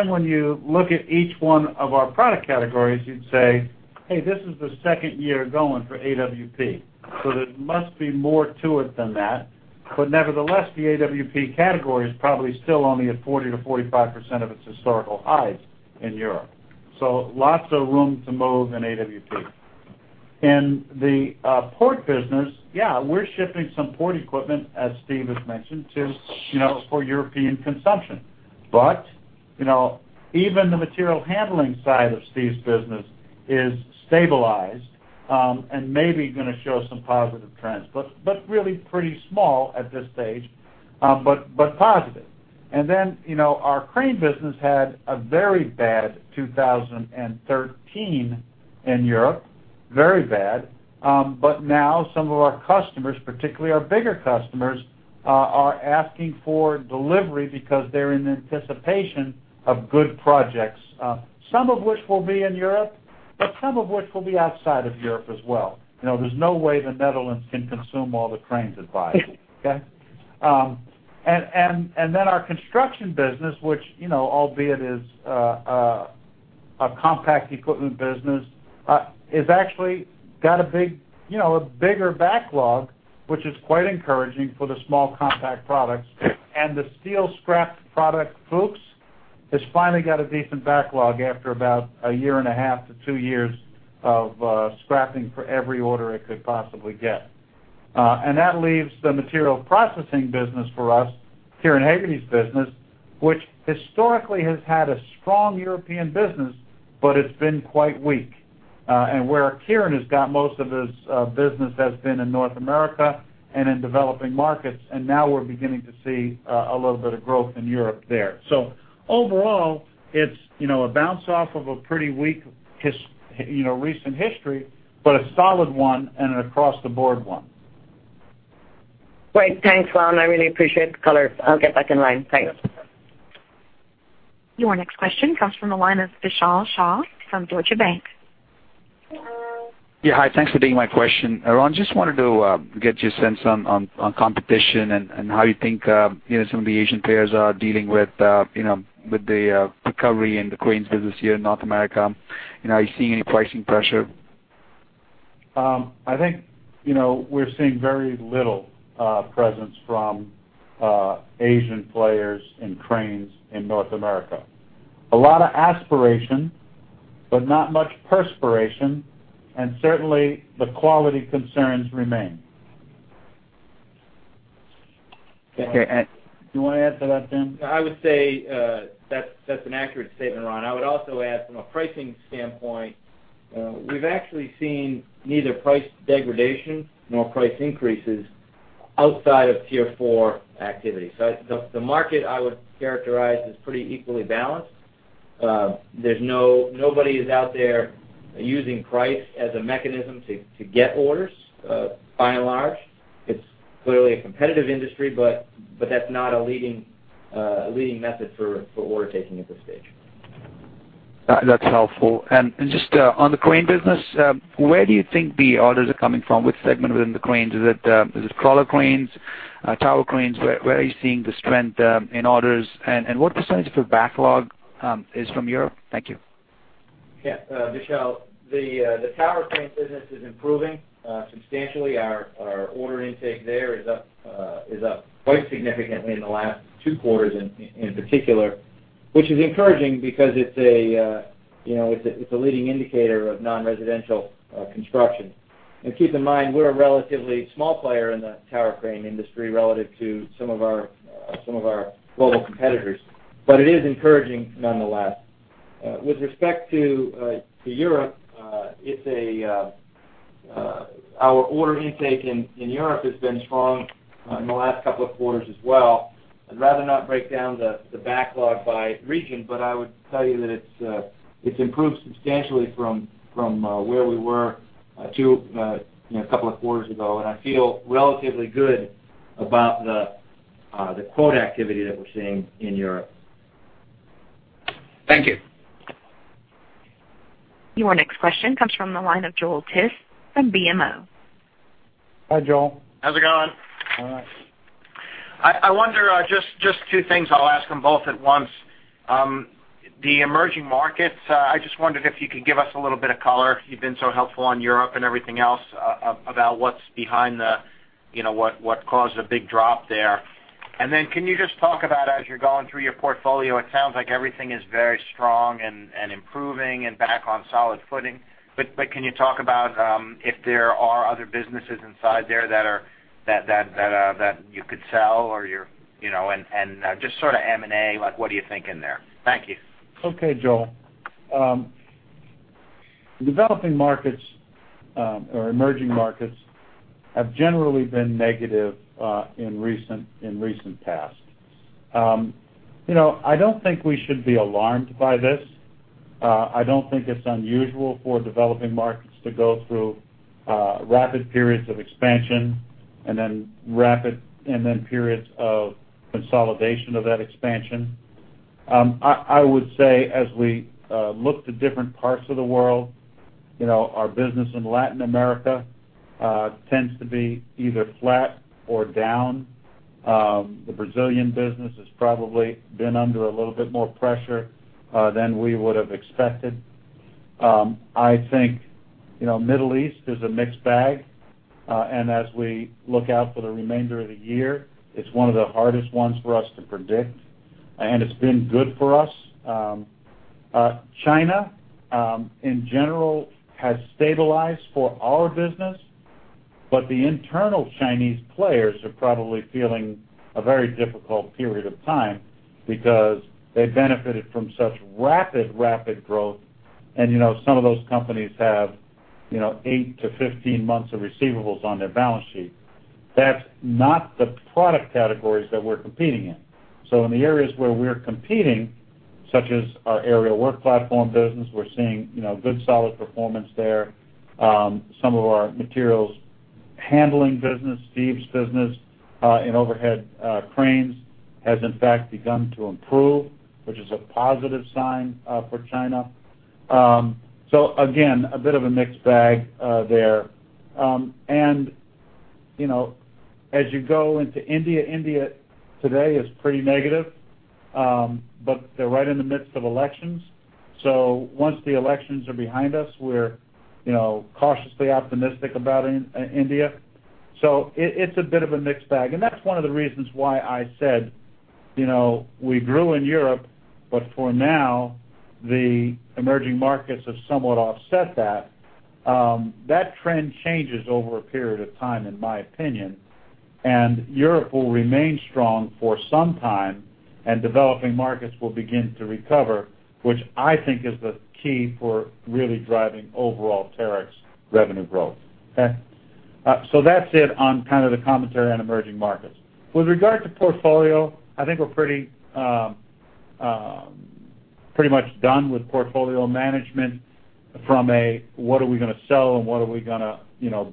When you look at each one of our product categories, you'd say, "Hey, this is the second year going for AWP, so there must be more to it than that." Nevertheless, the AWP category is probably still only at 40%-45% of its historical highs in Europe. Lots of room to move in AWP. In the port business, yeah, we're shipping some port equipment, as Steve has mentioned, for European consumption. Even the material handling side of Steve's business is stabilized, and maybe going to show some positive trends. Really pretty small at this stage, but positive. Our crane business had a very bad 2013 in Europe. Very bad. Now some of our customers, particularly our bigger customers, are asking for delivery because they're in anticipation of good projects. Some of which will be in Europe, but some of which will be outside of Europe as well. There's no way Netherlands can consume all the cranes it buys. Okay? Our construction business, which albeit is a compact equipment business, is actually got a bigger backlog, which is quite encouraging for the small compact products. The steel scrap product, Fuchs, has finally got a decent backlog after about a year and a half to two years of scrapping for every order it could possibly get. That leaves the material processing business for us, Kieran Hegarty's business, which historically has had a strong European business, but it's been quite weak. Where Kieran has got most of his business has been in North America and in developing markets, and now we're beginning to see a little bit of growth in Europe there. Overall, it's a bounce off of a pretty weak recent history, but a solid one and an across the board one. Great. Thanks, Ron. I really appreciate the color. I'll get back in line. Thanks. Your next question comes from the line of Vishal Shah from Deutsche Bank. Yeah. Hi. Thanks for taking my question. Ron, just wanted to get your sense on competition and how you think some of the Asian players are dealing with the recovery in the cranes business here in North America. Are you seeing any pricing pressure? I think we're seeing very little presence from Asian players in cranes in North America. A lot of aspiration, but not much perspiration, certainly the quality concerns remain. Okay. Do you want to add to that, Tim? I would say that's an accurate statement, Ron. I would also add from a pricing standpoint, we've actually seen neither price degradation nor price increases outside of Tier 4 activity. The market, I would characterize, as pretty equally balanced. Nobody is out there using price as a mechanism to get orders, by and large. It's clearly a competitive industry, that's not a leading method for order taking at this stage. That's helpful. Just on the crane business, where do you think the orders are coming from? Which segment within the cranes? Is it crawler cranes, tower cranes? Where are you seeing the strength in orders, and what % of your backlog is from Europe? Thank you. Yeah. Vishal, the tower crane business is improving substantially. Our order intake there is up quite significantly in the last two quarters in particular, which is encouraging because it's a leading indicator of non-residential construction. Keep in mind, we're a relatively small player in the tower crane industry relative to some of our global competitors. It is encouraging nonetheless. With respect to Europe, our order intake in Europe has been strong in the last couple of quarters as well. I'd rather not break down the backlog by region, but I would tell you that it's improved substantially from where we were a couple of quarters ago. I feel relatively good about the quote activity that we're seeing in Europe. Thank you. Your next question comes from the line of Joel Tiss from BMO. Hi, Joel. How's it going? All right. I wonder, just two things, I'll ask them both at once. The emerging markets, I just wondered if you could give us a little bit of color. You've been so helpful on Europe and everything else, about what's behind the, what caused the big drop there. Can you just talk about as you're going through your portfolio, it sounds like everything is very strong and improving and back on solid footing. Can you talk about if there are other businesses inside there that you could sell, and just sort of M&A, like what are you thinking there? Thank you. Okay, Joel. Developing markets or emerging markets have generally been negative in recent past. I don't think we should be alarmed by this. I don't think it's unusual for developing markets to go through rapid periods of expansion and then periods of consolidation of that expansion. I would say, as we look to different parts of the world, our business in Latin America tends to be either flat or down. The Brazilian business has probably been under a little bit more pressure than we would have expected. I think Middle East is a mixed bag. As we look out for the remainder of the year, it's one of the hardest ones for us to predict. It's been good for us. China, in general, has stabilized for our business, but the internal Chinese players are probably feeling a very difficult period of time because they benefited from such rapid growth. Some of those companies have eight to 15 months of receivables on their balance sheet. That's not the product categories that we're competing in. In the areas where we're competing, such as our aerial work platform business, we're seeing good solid performance there. Some of our materials handling business, Steve's business in overhead cranes, has in fact begun to improve, which is a positive sign for China. Again, a bit of a mixed bag there. As you go into India today is pretty negative, but they're right in the midst of elections. Once the elections are behind us, we're cautiously optimistic about India. It's a bit of a mixed bag. That's one of the reasons why I said, we grew in Europe, but for now, the emerging markets have somewhat offset that. That trend changes over a period of time, in my opinion. Europe will remain strong for some time, and developing markets will begin to recover, which I think is the key for really driving overall Terex revenue growth. Okay? That's it on kind of the commentary on emerging markets. With regard to portfolio, I think we're pretty much done with portfolio management from a what are we going to sell and what are we going to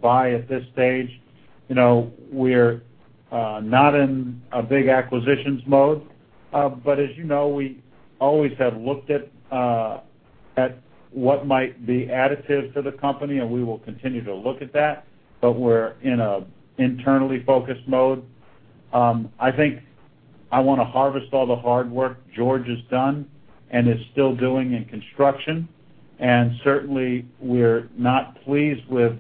buy at this stage. We're not in a big acquisitions mode. As you know, we always have looked at what might be additive to the company, and we will continue to look at that. We're in an internally focused mode I think I want to harvest all the hard work George has done and is still doing in construction. Certainly, we're not pleased with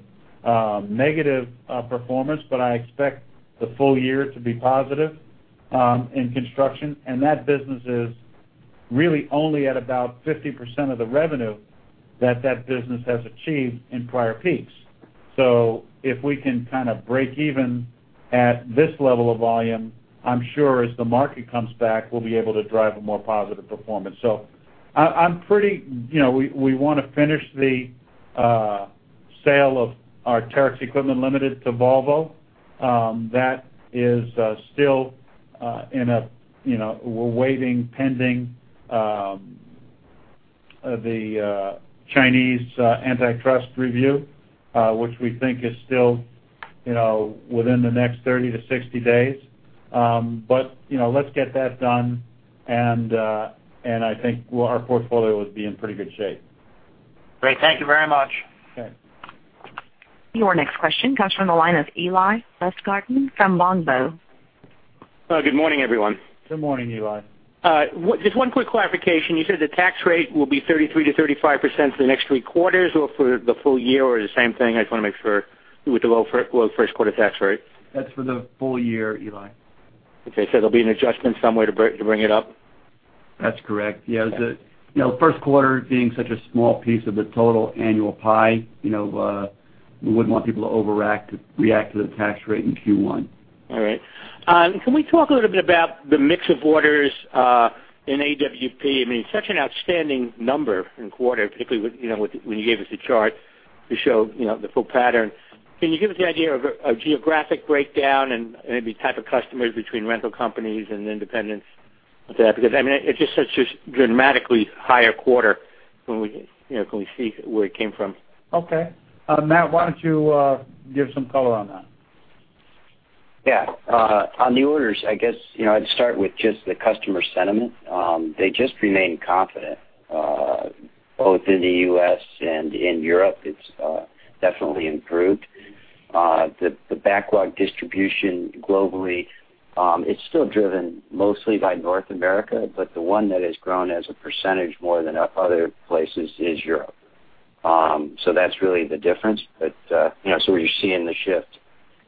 negative performance, but I expect the full year to be positive in construction. That business is really only at about 50% of the revenue that that business has achieved in prior peaks. If we can kind of break even at this level of volume, I'm sure as the market comes back, we'll be able to drive a more positive performance. We want to finish the sale of our Terex Equipment Limited to Volvo. That is still we're waiting, pending the Chinese antitrust review, which we think is still within the next 30-60 days. Let's get that done, and I think our portfolio would be in pretty good shape. Great. Thank you very much. Okay. Your next question comes from the line of Eli Lustgarten from Longbow. Good morning, everyone. Good morning, Eli. Just one quick clarification. You said the tax rate will be 33%-35% for the next three quarters or for the full year, or the same thing? I just want to make sure with the low first quarter tax rate. That's for the full year, Eli. Okay, there'll be an adjustment somewhere to bring it up? That's correct. Yeah. The first quarter being such a small piece of the total annual pie, we wouldn't want people to overreact to the tax rate in Q1. All right. Can we talk a little bit about the mix of orders in AWP? I mean, such an outstanding number in quarter, particularly when you gave us a chart to show the full pattern. Can you give us the idea of geographic breakdown and maybe type of customers between rental companies and independents? I mean, it's just such a dramatically higher quarter, can we see where it came from? Okay. Matt, why don't you give some color on that? Yeah. On the orders, I guess, I'd start with just the customer sentiment. They just remain confident. Both in the U.S. and in Europe, it's definitely improved. The backlog distribution globally, it's still driven mostly by North America, but the one that has grown as a percentage more than other places is Europe. That's really the difference. You're seeing the shift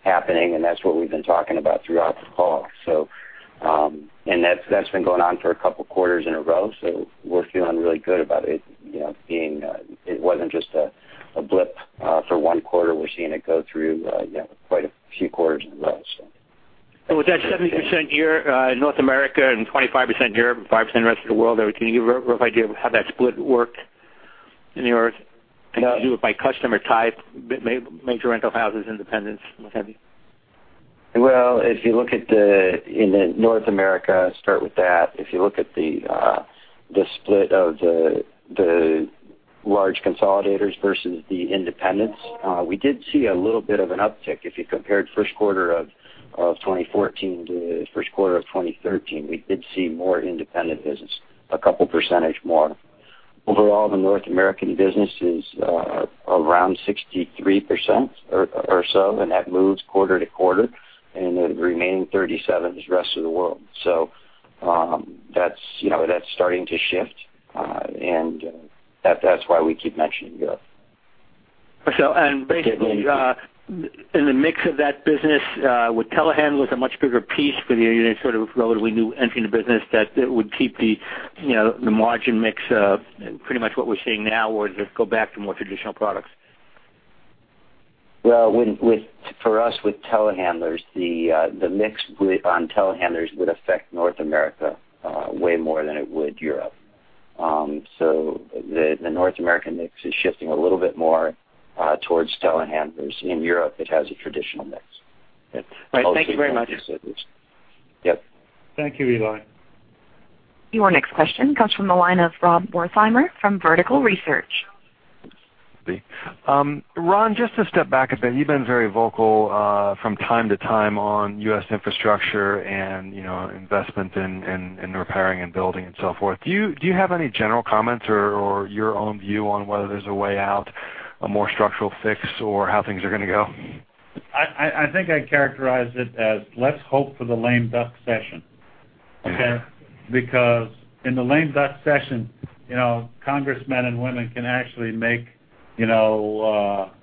happening, and that's what we've been talking about throughout the call. That's been going on for a couple of quarters in a row, so we're feeling really good about it. It wasn't just a blip for one quarter. We're seeing it go through quite a few quarters in a row. Was that 70% North America and 25% Europe and 5% rest of the world? Can you give a rough idea of how that split worked in Europe? No. Can you do it by customer type, major rental houses, independents, what have you? Well, if you look in North America, start with that. If you look at the split of the large consolidators versus the independents, we did see a little bit of an uptick if you compared first quarter of 2014 to first quarter of 2013. We did see more independent business, a couple percentage more. Overall, the North American business is around 63% or so, and that moves quarter to quarter, and the remaining 37% is rest of the world. That's starting to shift, and that's why we keep mentioning Europe. Basically, in the mix of that business, with telehandlers a much bigger piece for you, sort of relatively new entry in the business, that it would keep the margin mix pretty much what we're seeing now, or does it go back to more traditional products? Well, for us, with telehandlers, the mix on telehandlers would affect North America way more than it would Europe. The North American mix is shifting a little bit more towards telehandlers. In Europe, it has a traditional mix. Right. Thank you very much. Yep. Thank you, Eli. Your next question comes from the line of Rob Wertheimer from Vertical Research. Ron, just to step back a bit, you've been very vocal from time to time on U.S. infrastructure and investment in repairing and building and so forth. Do you have any general comments or your own view on whether there's a way out, a more structural fix, or how things are going to go? I think I'd characterize it as let's hope for the lame duck session. Okay. Because in the lame duck session, congressmen and women can actually make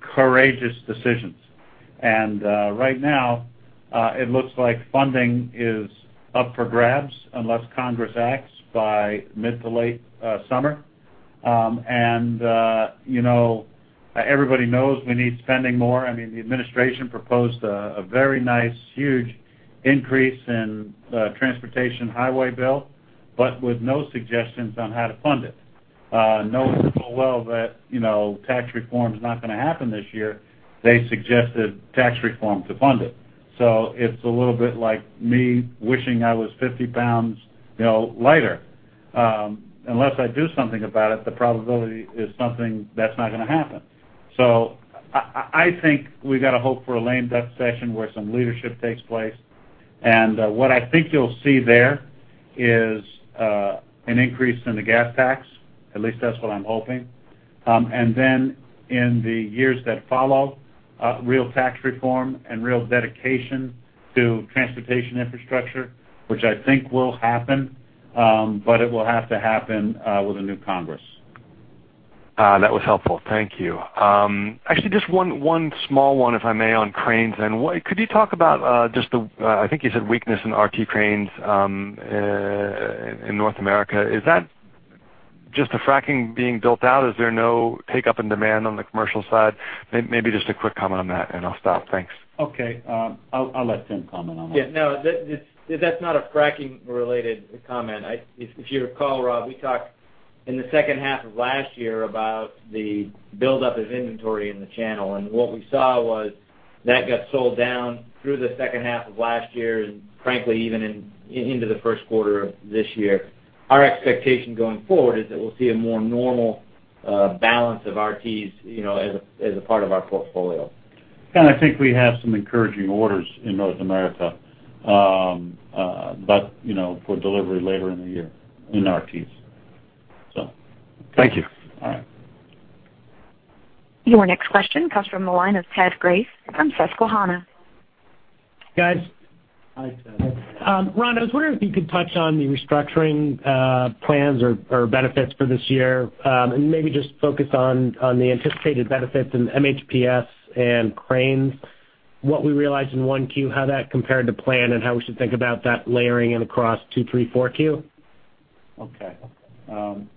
courageous decisions. Right now, it looks like funding is up for grabs unless Congress acts by mid to late summer. Everybody knows we need spending more. I mean, the administration proposed a very nice, huge increase in the transportation highway bill, but with no suggestions on how to fund it. Knowing full well that tax reform is not going to happen this year, they suggested tax reform to fund it. It's a little bit like me wishing I was 50 pounds lighter. Unless I do something about it, the probability is something that's not going to happen. I think we've got to hope for a lame duck session where some leadership takes place. What I think you'll see there is an increase in the gas tax, at least that's what I'm hoping. Then in the years that follow, real tax reform and real dedication to transportation infrastructure, which I think will happen, but it will have to happen with a new Congress. That was helpful. Thank you. Actually, just one small one, if I may, on cranes then. Could you talk about just the, I think you said weakness in RT Cranes in North America. Is that just the fracking being built out? Is there no take-up in demand on the commercial side? Maybe just a quick comment on that, and I'll stop. Thanks. Okay. I'll let Tim comment on that. Yeah, no, that's not a fracking-related comment. If you recall, Rob, we talked in the second half of last year about the buildup of inventory in the channel, what we saw was that got sold down through the second half of last year, frankly, even into the first quarter of this year. Our expectation going forward is that we'll see a more normal balance of RTs, as a part of our portfolio. I think we have some encouraging orders in North America. For delivery later in the year in RTs. Thank you. All right. Your next question comes from the line of Ted Grace from Susquehanna. Guys. Hi, Ted. Ron, I was wondering if you could touch on the restructuring plans or benefits for this year. Maybe just focus on the anticipated benefits in MHPS and Cranes. What we realized in 1Q, how that compared to plan, and how we should think about that layering in across 2, 3, 4Q? Okay.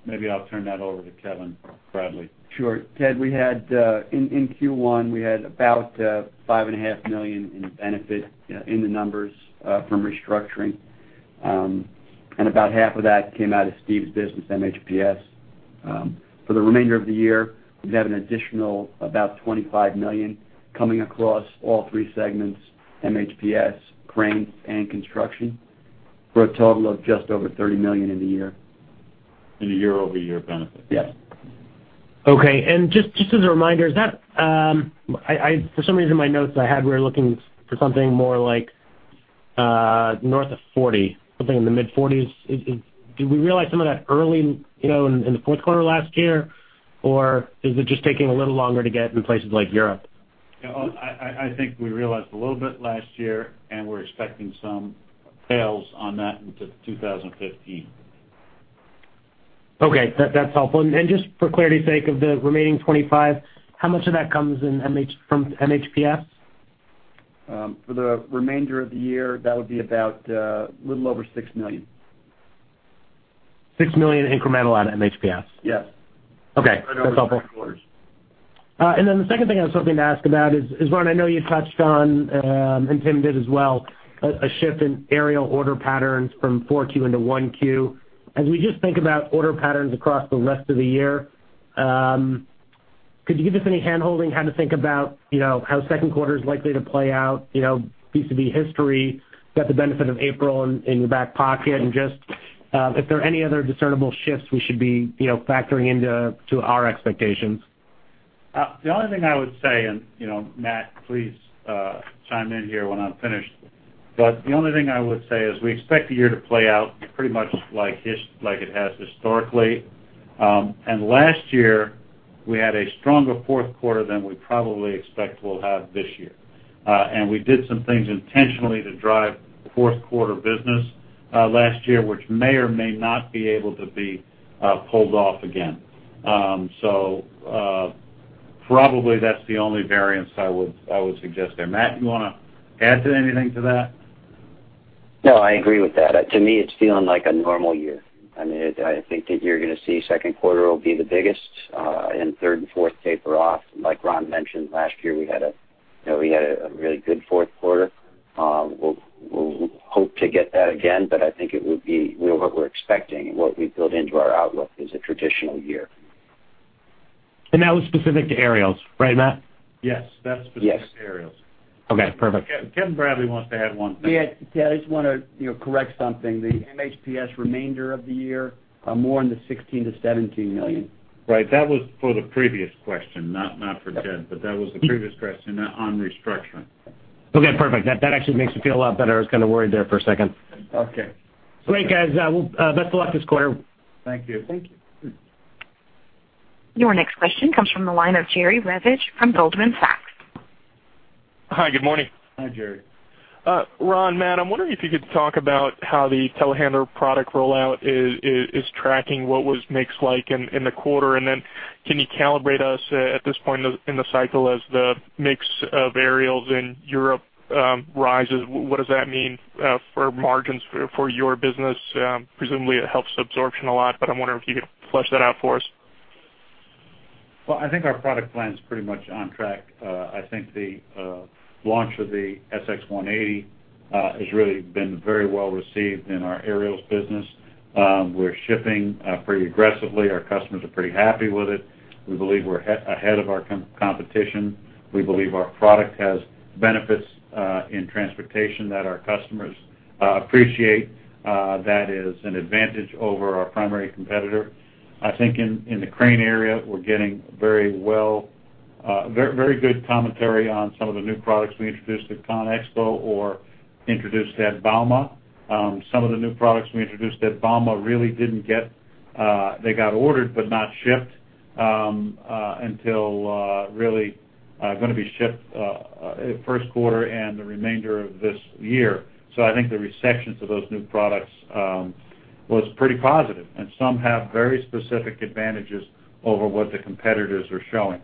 Maybe I'll turn that over to Kevin Bradley. Sure. Ted, in Q1, we had about $5.5 million in benefit in the numbers from restructuring. About half of that came out of Steve's business, MHPS. For the remainder of the year, we've had an additional about $25 million coming across all three segments, MHPS, Cranes, and Construction, for a total of just over $30 million in the year. In a year-over-year benefit. Yes. Okay. Just as a reminder, for some reason, my notes I had, we were looking for something more like north of $40, something in the mid-40s. Did we realize some of that early in the fourth quarter last year, or is it just taking a little longer to get in places like Europe? I think we realized a little bit last year, we're expecting some tails on that into 2015. Just for clarity's sake, of the remaining 25, how much of that comes from MHPS? For the remainder of the year, that would be about a little over $6 million. $6 million incremental at MHPS? Yes. Okay. That's helpful. A little over four quarters. The second thing I was hoping to ask about is, Ron, I know you touched on, Tim did as well, a shift in aerial order patterns from 4Q into 1Q. As we just think about order patterns across the rest of the year, could you give us any hand-holding how to think about how second quarter is likely to play out vis-à-vis history, got the benefit of April in your back pocket, and just if there are any other discernible shifts we should be factoring into our expectations? The only thing I would say, Matt, please chime in here when I'm finished, the only thing I would say is we expect the year to play out pretty much like it has historically. Last year, we had a stronger fourth quarter than we probably expect we'll have this year. We did some things intentionally to drive fourth quarter business last year, which may or may not be able to be pulled off again. Probably that's the only variance I would suggest there. Matt, you want to add anything to that? No, I agree with that. To me, it's feeling like a normal year. I think that you're going to see second quarter will be the biggest, third and fourth taper off. Like Ron mentioned, last year, we had a really good fourth quarter. We'll hope to get that again, but I think it would be what we're expecting and what we've built into our outlook is a traditional year. That was specific to Aerials, right, Matt? Yes. That's specific to Aerials. Yes. Okay, perfect. Kevin Bradley wants to add one thing. Yeah. I just want to correct something. The MHPS remainder of the year are more in the $16 million-$17 million. Right. That was for the previous question, not for Ted. That was the previous question on restructuring. Okay, perfect. That actually makes me feel a lot better. I was kind of worried there for a second. Okay. Great, guys. Best of luck this quarter. Thank you. Thank you. Your next question comes from the line of Jerry Revich from Goldman Sachs. Hi, good morning. Hi, Jerry. Ron, Matt, I'm wondering if you could talk about how the telehandler product rollout is tracking what was mix like in the quarter. Can you calibrate us at this point in the cycle as the mix of Aerials in Europe rises? What does that mean for margins for your business? Presumably, it helps absorption a lot, but I'm wondering if you could flesh that out for us. I think our product plan's pretty much on track. I think the launch of the SX-180 has really been very well received in our Aerials business. We're shipping pretty aggressively. Our customers are pretty happy with it. We believe we're ahead of our competition. We believe our product has benefits in transportation that our customers appreciate. That is an advantage over our primary competitor. I think in the Crane area, we're getting very good commentary on some of the new products we introduced at CONEXPO or introduced at Bauma. Some of the new products we introduced at Bauma, they got ordered, but not shipped until really going to be shipped first quarter and the remainder of this year. I think the reception to those new products was pretty positive, and some have very specific advantages over what the competitors are showing.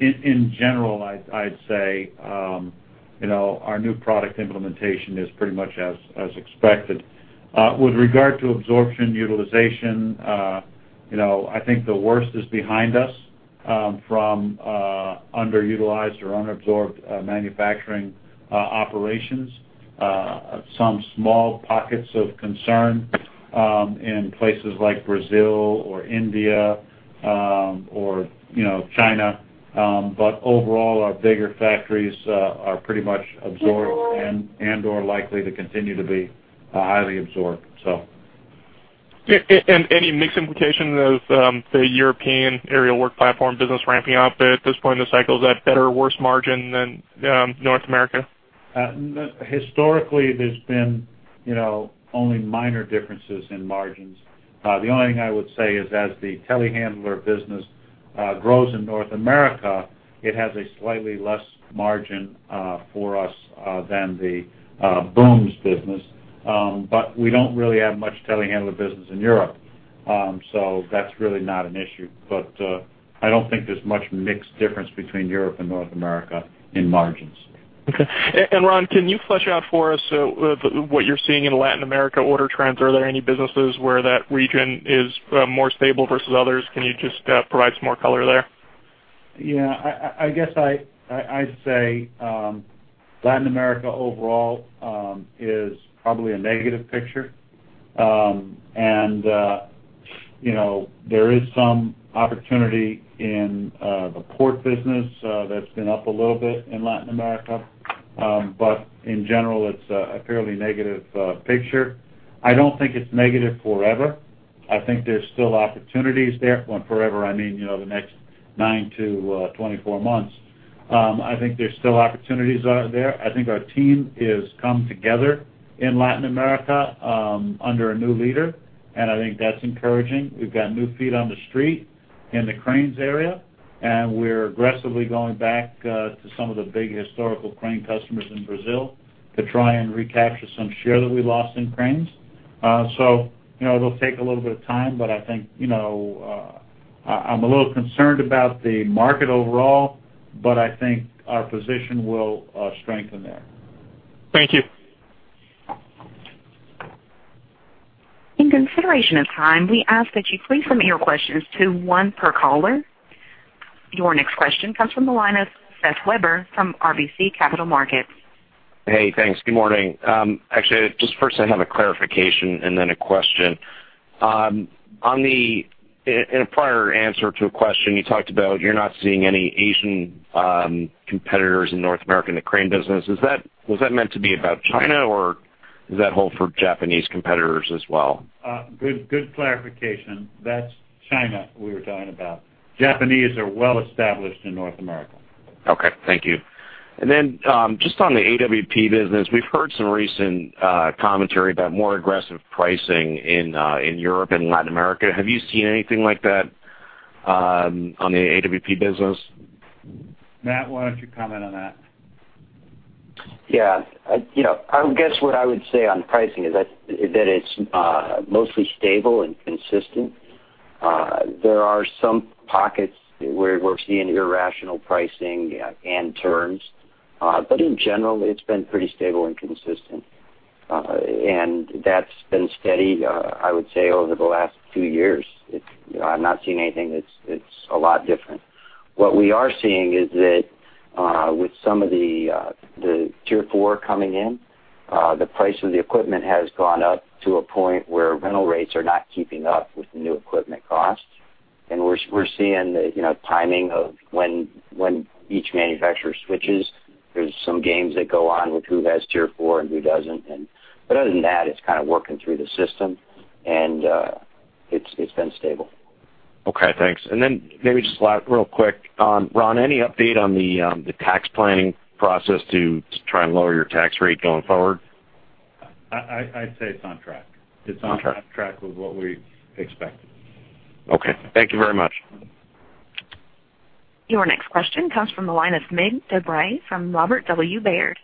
In general, I'd say our new product implementation is pretty much as expected. With regard to absorption utilization, I think the worst is behind us from underutilized or unabsorbed manufacturing operations. Some small pockets of concern in places like Brazil or India or China. Overall, our bigger factories are pretty much absorbed and/or likely to continue to be highly absorbed. Any mix implication of the European aerial work platform business ramping up at this point in the cycle that better or worse margin than North America? Historically, there's been only minor differences in margins. The only thing I would say is, as the telehandler business grows in North America, it has a slightly less margin for us than the booms business. We don't really have much telehandler business in Europe. That's really not an issue, but I don't think there's much mixed difference between Europe and North America in margins. Okay. Ron, can you flesh out for us what you're seeing in Latin America order trends? Are there any businesses where that region is more stable versus others? Can you just provide some more color there? I guess I'd say Latin America overall is probably a negative picture. There is some opportunity in the port business that's been up a little bit in Latin America. In general, it's a fairly negative picture. I don't think it's negative forever. I think there's still opportunities there. Forever, I mean the next 9-24 months. I think there's still opportunities out there. I think our team has come together in Latin America under a new leader, and I think that's encouraging. We've got new feet on the street in the cranes area, and we're aggressively going back to some of the big historical crane customers in Brazil to try and recapture some share that we lost in cranes. It'll take a little bit of time, but I'm a little concerned about the market overall, but I think our position will strengthen there. Thank you. In consideration of time, we ask that you please limit your questions to one per caller. Your next question comes from the line of Seth Weber from RBC Capital Markets. Hey, thanks. Good morning. Actually just first I have a clarification and then a question. In a prior answer to a question you talked about you are not seeing any Asian competitors in North America in the crane business. Was that meant to be about China, or does that hold for Japanese competitors as well? Good clarification. That is China we were talking about. Japanese are well established in North America. Okay. Thank you. Then, just on the AWP business, we've heard some recent commentary about more aggressive pricing in Europe and Latin America. Have you seen anything like that on the AWP business? Matt, why don't you comment on that? Yeah. I guess what I would say on pricing is that it's mostly stable and consistent. There are some pockets where we're seeing irrational pricing and turns. In general, it's been pretty stable and consistent. That's been steady, I would say, over the last few years. I've not seen anything that's a lot different. What we are seeing is that with some of the Tier 4 coming in, the price of the equipment has gone up to a point where rental rates are not keeping up with the new equipment costs. We're seeing the timing of when each manufacturer switches. There's some games that go on with who has Tier 4 and who doesn't. Other than that, it's kind of working through the system, and it's been stable. Okay, thanks. Then maybe just real quick, Ron, any update on the tax planning process to try and lower your tax rate going forward? I'd say it's on track. Okay. It's on track with what we expected. Okay. Thank you very much. Your next question comes from the line of Mircea Dobre from Robert W. Baird.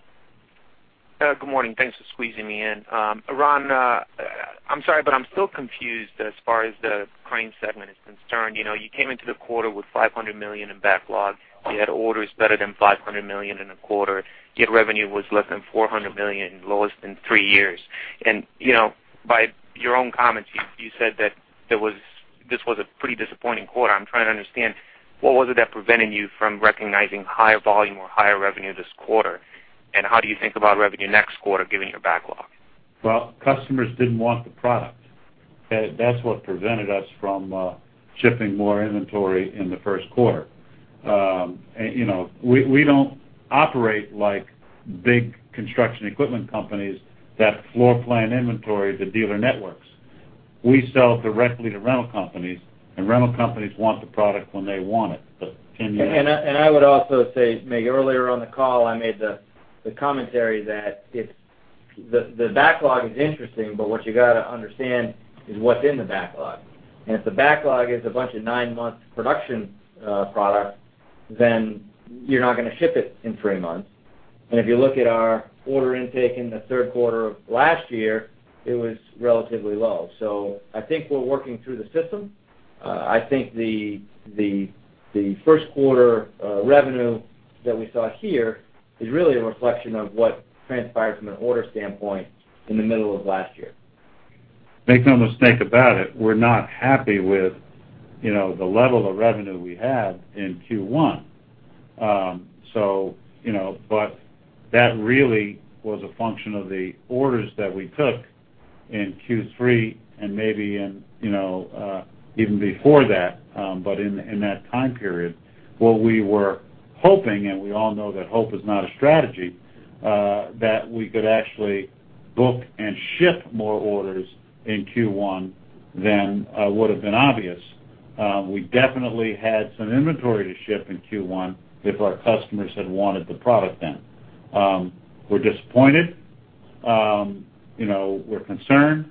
Good morning. Thanks for squeezing me in. Ron, I'm sorry, I'm still confused as far as the crane segment is concerned. You came into the quarter with $500 million in backlog. You had orders better than $500 million in a quarter. Revenue was less than $400 million, lowest in three years. By your own comments, you said that this was a pretty disappointing quarter. I'm trying to understand, what was it that prevented you from recognizing higher volume or higher revenue this quarter? How do you think about revenue next quarter, given your backlog? Well, customers didn't want the product. That's what prevented us from shipping more inventory in the first quarter. We don't operate like big construction equipment companies that floor plan inventory to dealer networks. We sell directly to rental companies, rental companies want the product when they want it. Can you- I would also say, maybe earlier on the call, I made the commentary that the backlog is interesting, what you got to understand is what's in the backlog. If the backlog is a bunch of nine-month production product, then you're not going to ship it in three months. If you look at our order intake in the third quarter of last year, it was relatively low. I think we're working through the system. I think the first quarter revenue that we saw here is really a reflection of what transpired from an order standpoint in the middle of last year. Make no mistake about it, we're not happy with the level of revenue we had in Q1. That really was a function of the orders that we took in Q3 and maybe even before that. In that time period, what we were hoping, and we all know that hope is not a strategy, that we could actually book and ship more orders in Q1 than would've been obvious. We definitely had some inventory to ship in Q1 if our customers had wanted the product then. We're disappointed. We're concerned.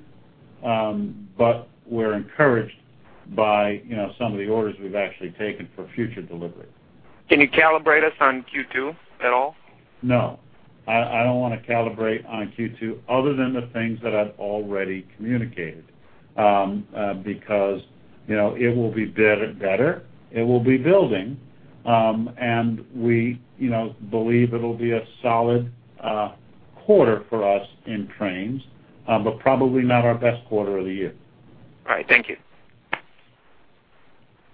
We're encouraged by some of the orders we've actually taken for future delivery. Can you calibrate us on Q2 at all? No, I don't want to calibrate on Q2 other than the things that I've already communicated. It will be better, it will be building, and we believe it'll be a solid quarter for us in cranes, but probably not our best quarter of the year. All right. Thank you.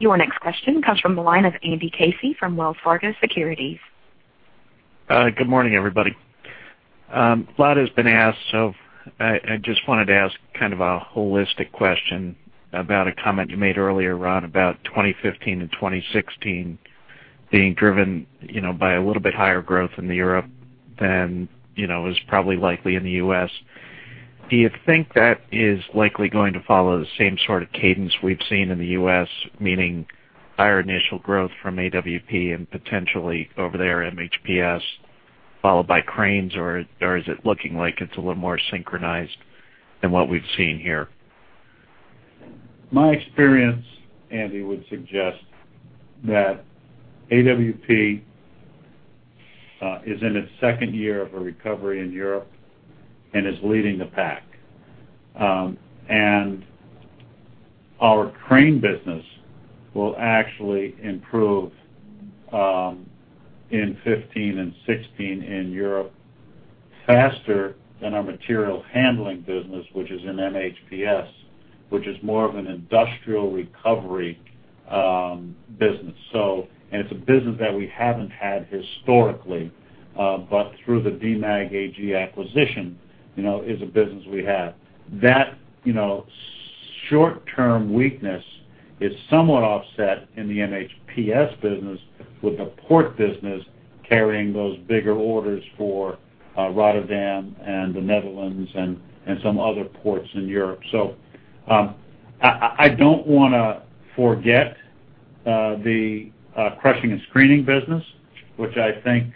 Your next question comes from the line of Andrew Casey from Wells Fargo Securities. Good morning, everybody. A lot has been asked. I just wanted to ask kind of a holistic question about a comment you made earlier, Ron, about 2015 and 2016 being driven by a little bit higher growth in Europe than is probably likely in the U.S. Do you think that is likely going to follow the same sort of cadence we've seen in the U.S., meaning higher initial growth from AWP and potentially over there MHPS, followed by cranes, or is it looking like it's a little more synchronized than what we've seen here? My experience, Andy, would suggest that AWP is in its second year of a recovery in Europe and is leading the pack. Our crane business will actually improve in 2015 and 2016 in Europe faster than our material handling business, which is in MHPS, which is more of an industrial recovery business. It's a business that we haven't had historically, but through the Demag Cranes AG acquisition, is a business we have. That short-term weakness is somewhat offset in the MHPS business with the port business carrying those bigger orders for Rotterdam and the Netherlands and some other ports in Europe. I don't want to forget the crushing and screening business, which I think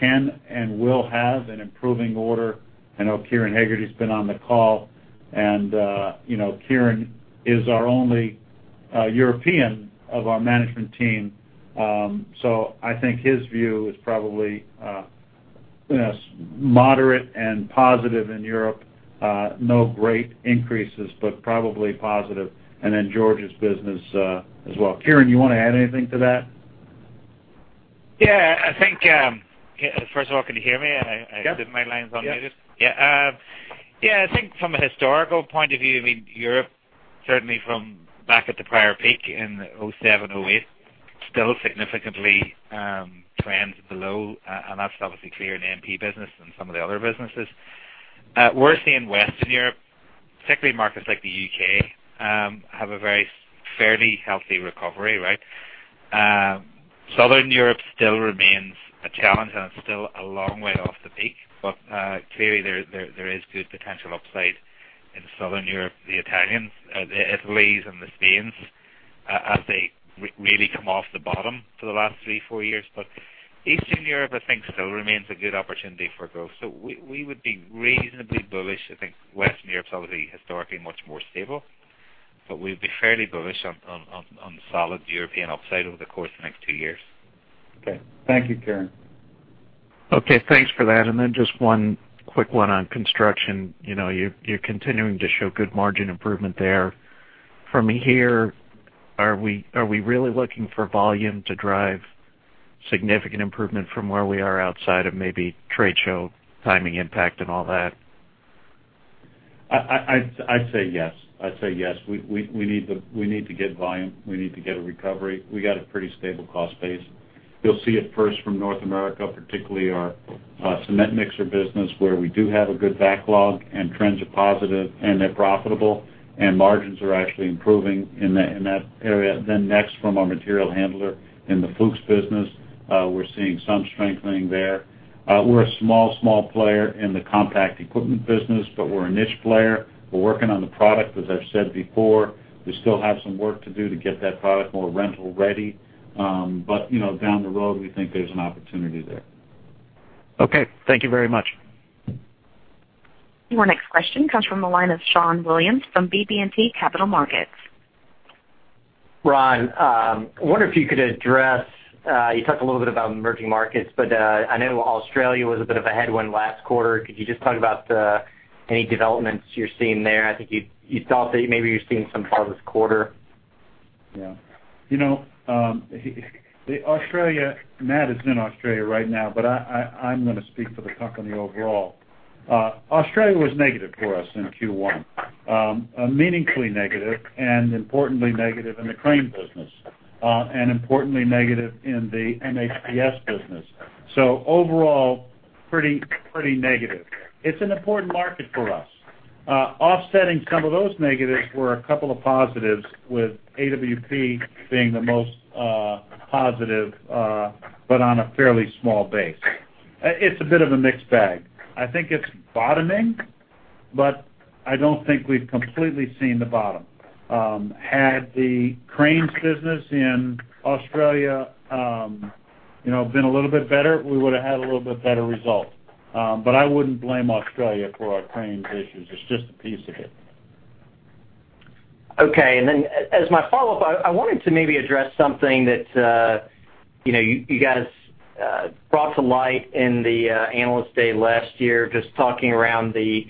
can and will have an improving order. I know Kieran Hegarty's been on the call, and Kieran is our only European of our management team. I think his view is probably moderate and positive in Europe. No great increases, but probably positive, George's business as well. Kieran, you want to add anything to that? Yeah. First of all, can you hear me? Yep. I think my line's unmuted. Yep. I think from a historical point of view, Europe, certainly from back at the prior peak in 2007, 2008, still significantly trends below, and that's obviously clear in the MP business and some of the other businesses. We're seeing Western Europe, particularly markets like the U.K., have a very fairly healthy recovery. Southern Europe still remains a challenge, and it's still a long way off the peak. Clearly, there is good potential upside in Southern Europe, the Italians, the Italys and the Spains, as they really come off the bottom for the last three, four years. Eastern Europe, I think still remains a good opportunity for growth. We would be reasonably bullish. I think Western Europe's obviously historically much more stable, but we'd be fairly bullish on solid European upside over the course of the next two years. Okay. Thank you, Kieran. Okay. Thanks for that. Then just one quick one on construction. You're continuing to show good margin improvement there. From here, are we really looking for volume to drive significant improvement from where we are outside of maybe trade show timing impact and all that? I'd say yes. We need to get volume. We need to get a recovery. We got a pretty stable cost base. You'll see it first from North America, particularly our cement mixer business, where we do have a good backlog and trends are positive, and they're profitable, and margins are actually improving in that area. Next, from our material handler in the Fuchs business, we're seeing some strengthening there. We're a small player in the compact equipment business, but we're a niche player. We're working on the product. As I've said before, we still have some work to do to get that product more rental-ready. Down the road, we think there's an opportunity there. Okay. Thank you very much. Your next question comes from the line of Shawn Williams from BB&T Capital Markets. Ron, I wonder if you could address, you talked a little bit about emerging markets. I know Australia was a bit of a headwind last quarter. Could you just talk about any developments you're seeing there? I think you thought that maybe you're seeing some progress this quarter. Yeah. Matt is in Australia right now, but I'm going to speak for the company overall. Australia was negative for us in Q1. Meaningfully negative, and importantly negative in the crane business, and importantly negative in the MHPS business. Overall, pretty negative. It's an important market for us. Offsetting some of those negatives were a couple of positives, with AWP being the most positive, but on a fairly small base. It's a bit of a mixed bag. I think it's bottoming, but I don't think we've completely seen the bottom. Had the cranes business in Australia been a little bit better, we would've had a little bit better result. I wouldn't blame Australia for our cranes issues. It's just a piece of it. Okay. As my follow-up, I wanted to maybe address something that you guys brought to light in the analyst day last year, just talking around the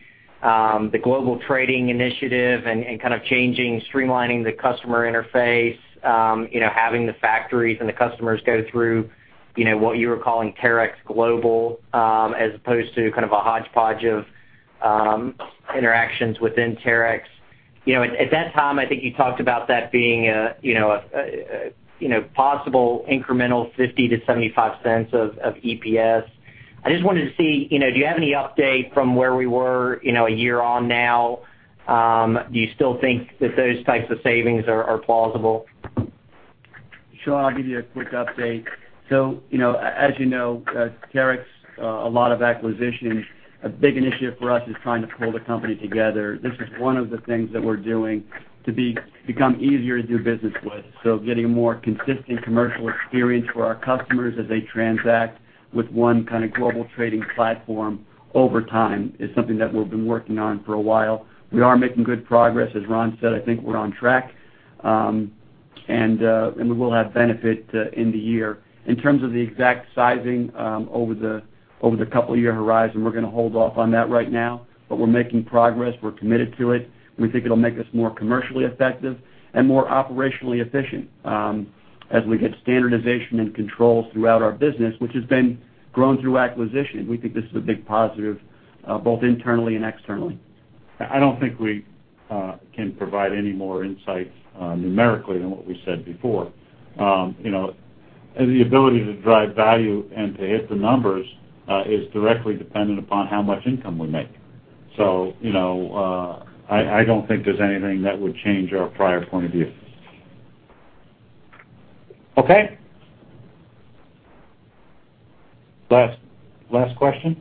global trading initiative and changing, streamlining the customer interface, having the factories and the customers go through what you were calling Terex Global, as opposed to a hodgepodge of interactions within Terex. At that time, I think you talked about that being a possible incremental $0.50 to $0.75 of EPS. I just wanted to see, do you have any update from where we were, a year on now? Do you still think that those types of savings are plausible? Shawn, I'll give you a quick update. As you know, Terex, a lot of acquisition. A big initiative for us is trying to pull the company together. This is one of the things that we're doing to become easier to do business with. Getting a more consistent commercial experience for our customers as they transact with one global trading platform over time is something that we've been working on for a while. We are making good progress. As Ron said, I think we're on track. We will have benefit in the year. In terms of the exact sizing over the couple year horizon, we're going to hold off on that right now. We're making progress. We're committed to it, we think it'll make us more commercially effective and more operationally efficient as we get standardization and controls throughout our business, which has been grown through acquisition. We think this is a big positive, both internally and externally. I don't think we can provide any more insights numerically than what we said before. The ability to drive value and to hit the numbers is directly dependent upon how much income we make. I don't think there's anything that would change our prior point of view. Okay. Last question?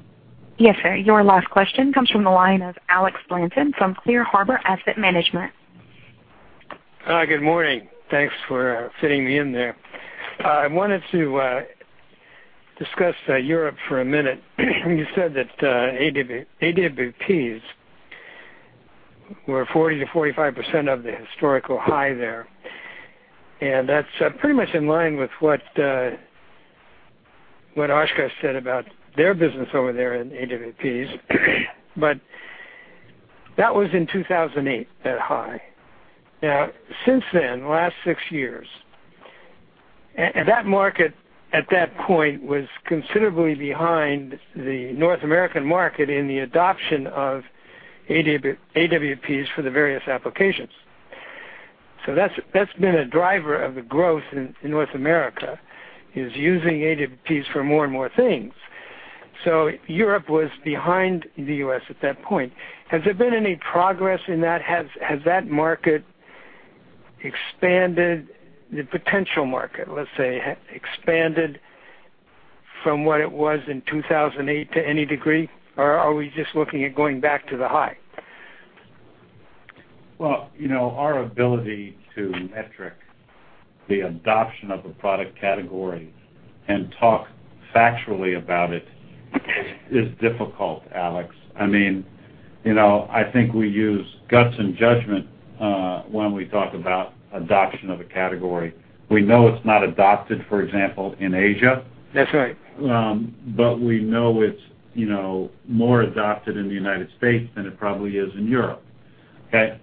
Yes, sir. Your last question comes from the line of Alex Blanton from Clear Harbor Asset Management. Hi, good morning. Thanks for fitting me in there. I wanted to discuss Europe for a minute. You said that AWPs were 40%-45% of the historical high there, and that's pretty much in line with what Oshkosh said about their business over there in AWPs. That was in 2008, that high. Since then, last six years, that market at that point was considerably behind the North American market in the adoption of AWPs for the various applications. That's been a driver of the growth in North America, is using AWPs for more and more things. Europe was behind the U.S. at that point. Has there been any progress in that? Has that market expanded, the potential market, let's say, expanded from what it was in 2008 to any degree? Or are we just looking at going back to the high? Our ability to metric the adoption of a product category and talk factually about it is difficult, Alex. I think we use guts and judgment when we talk about adoption of a category. We know it's not adopted, for example, in Asia. That's right. We know it's more adopted in the U.S. than it probably is in Europe. Okay?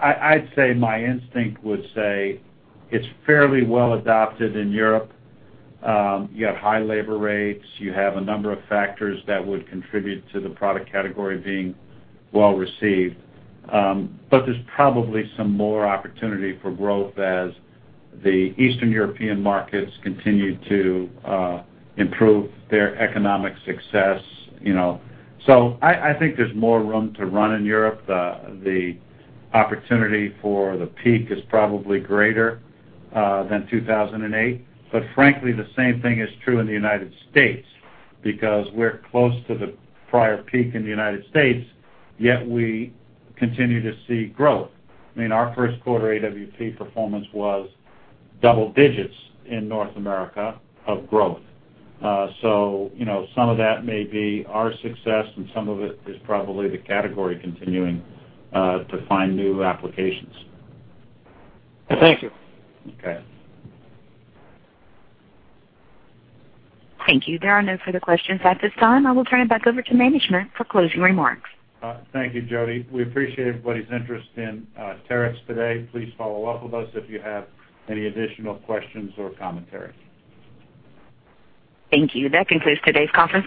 I'd say my instinct would say it's fairly well adopted in Europe. You have high labor rates. You have a number of factors that would contribute to the product category being well-received. There's probably some more opportunity for growth as the Eastern European markets continue to improve their economic success. I think there's more room to run in Europe. The opportunity for the peak is probably greater than 2008. Frankly, the same thing is true in the U.S. because we're close to the prior peak in the U.S., yet we continue to see growth. Our first quarter AWP performance was double digits in North America of growth. Some of that may be our success and some of it is probably the category continuing to find new applications. Thank you. Okay. Thank you. There are no further questions at this time. I will turn it back over to management for closing remarks. Thank you, Jody. We appreciate everybody's interest in Terex today. Please follow up with us if you have any additional questions or commentary. Thank you. That concludes today's conference call.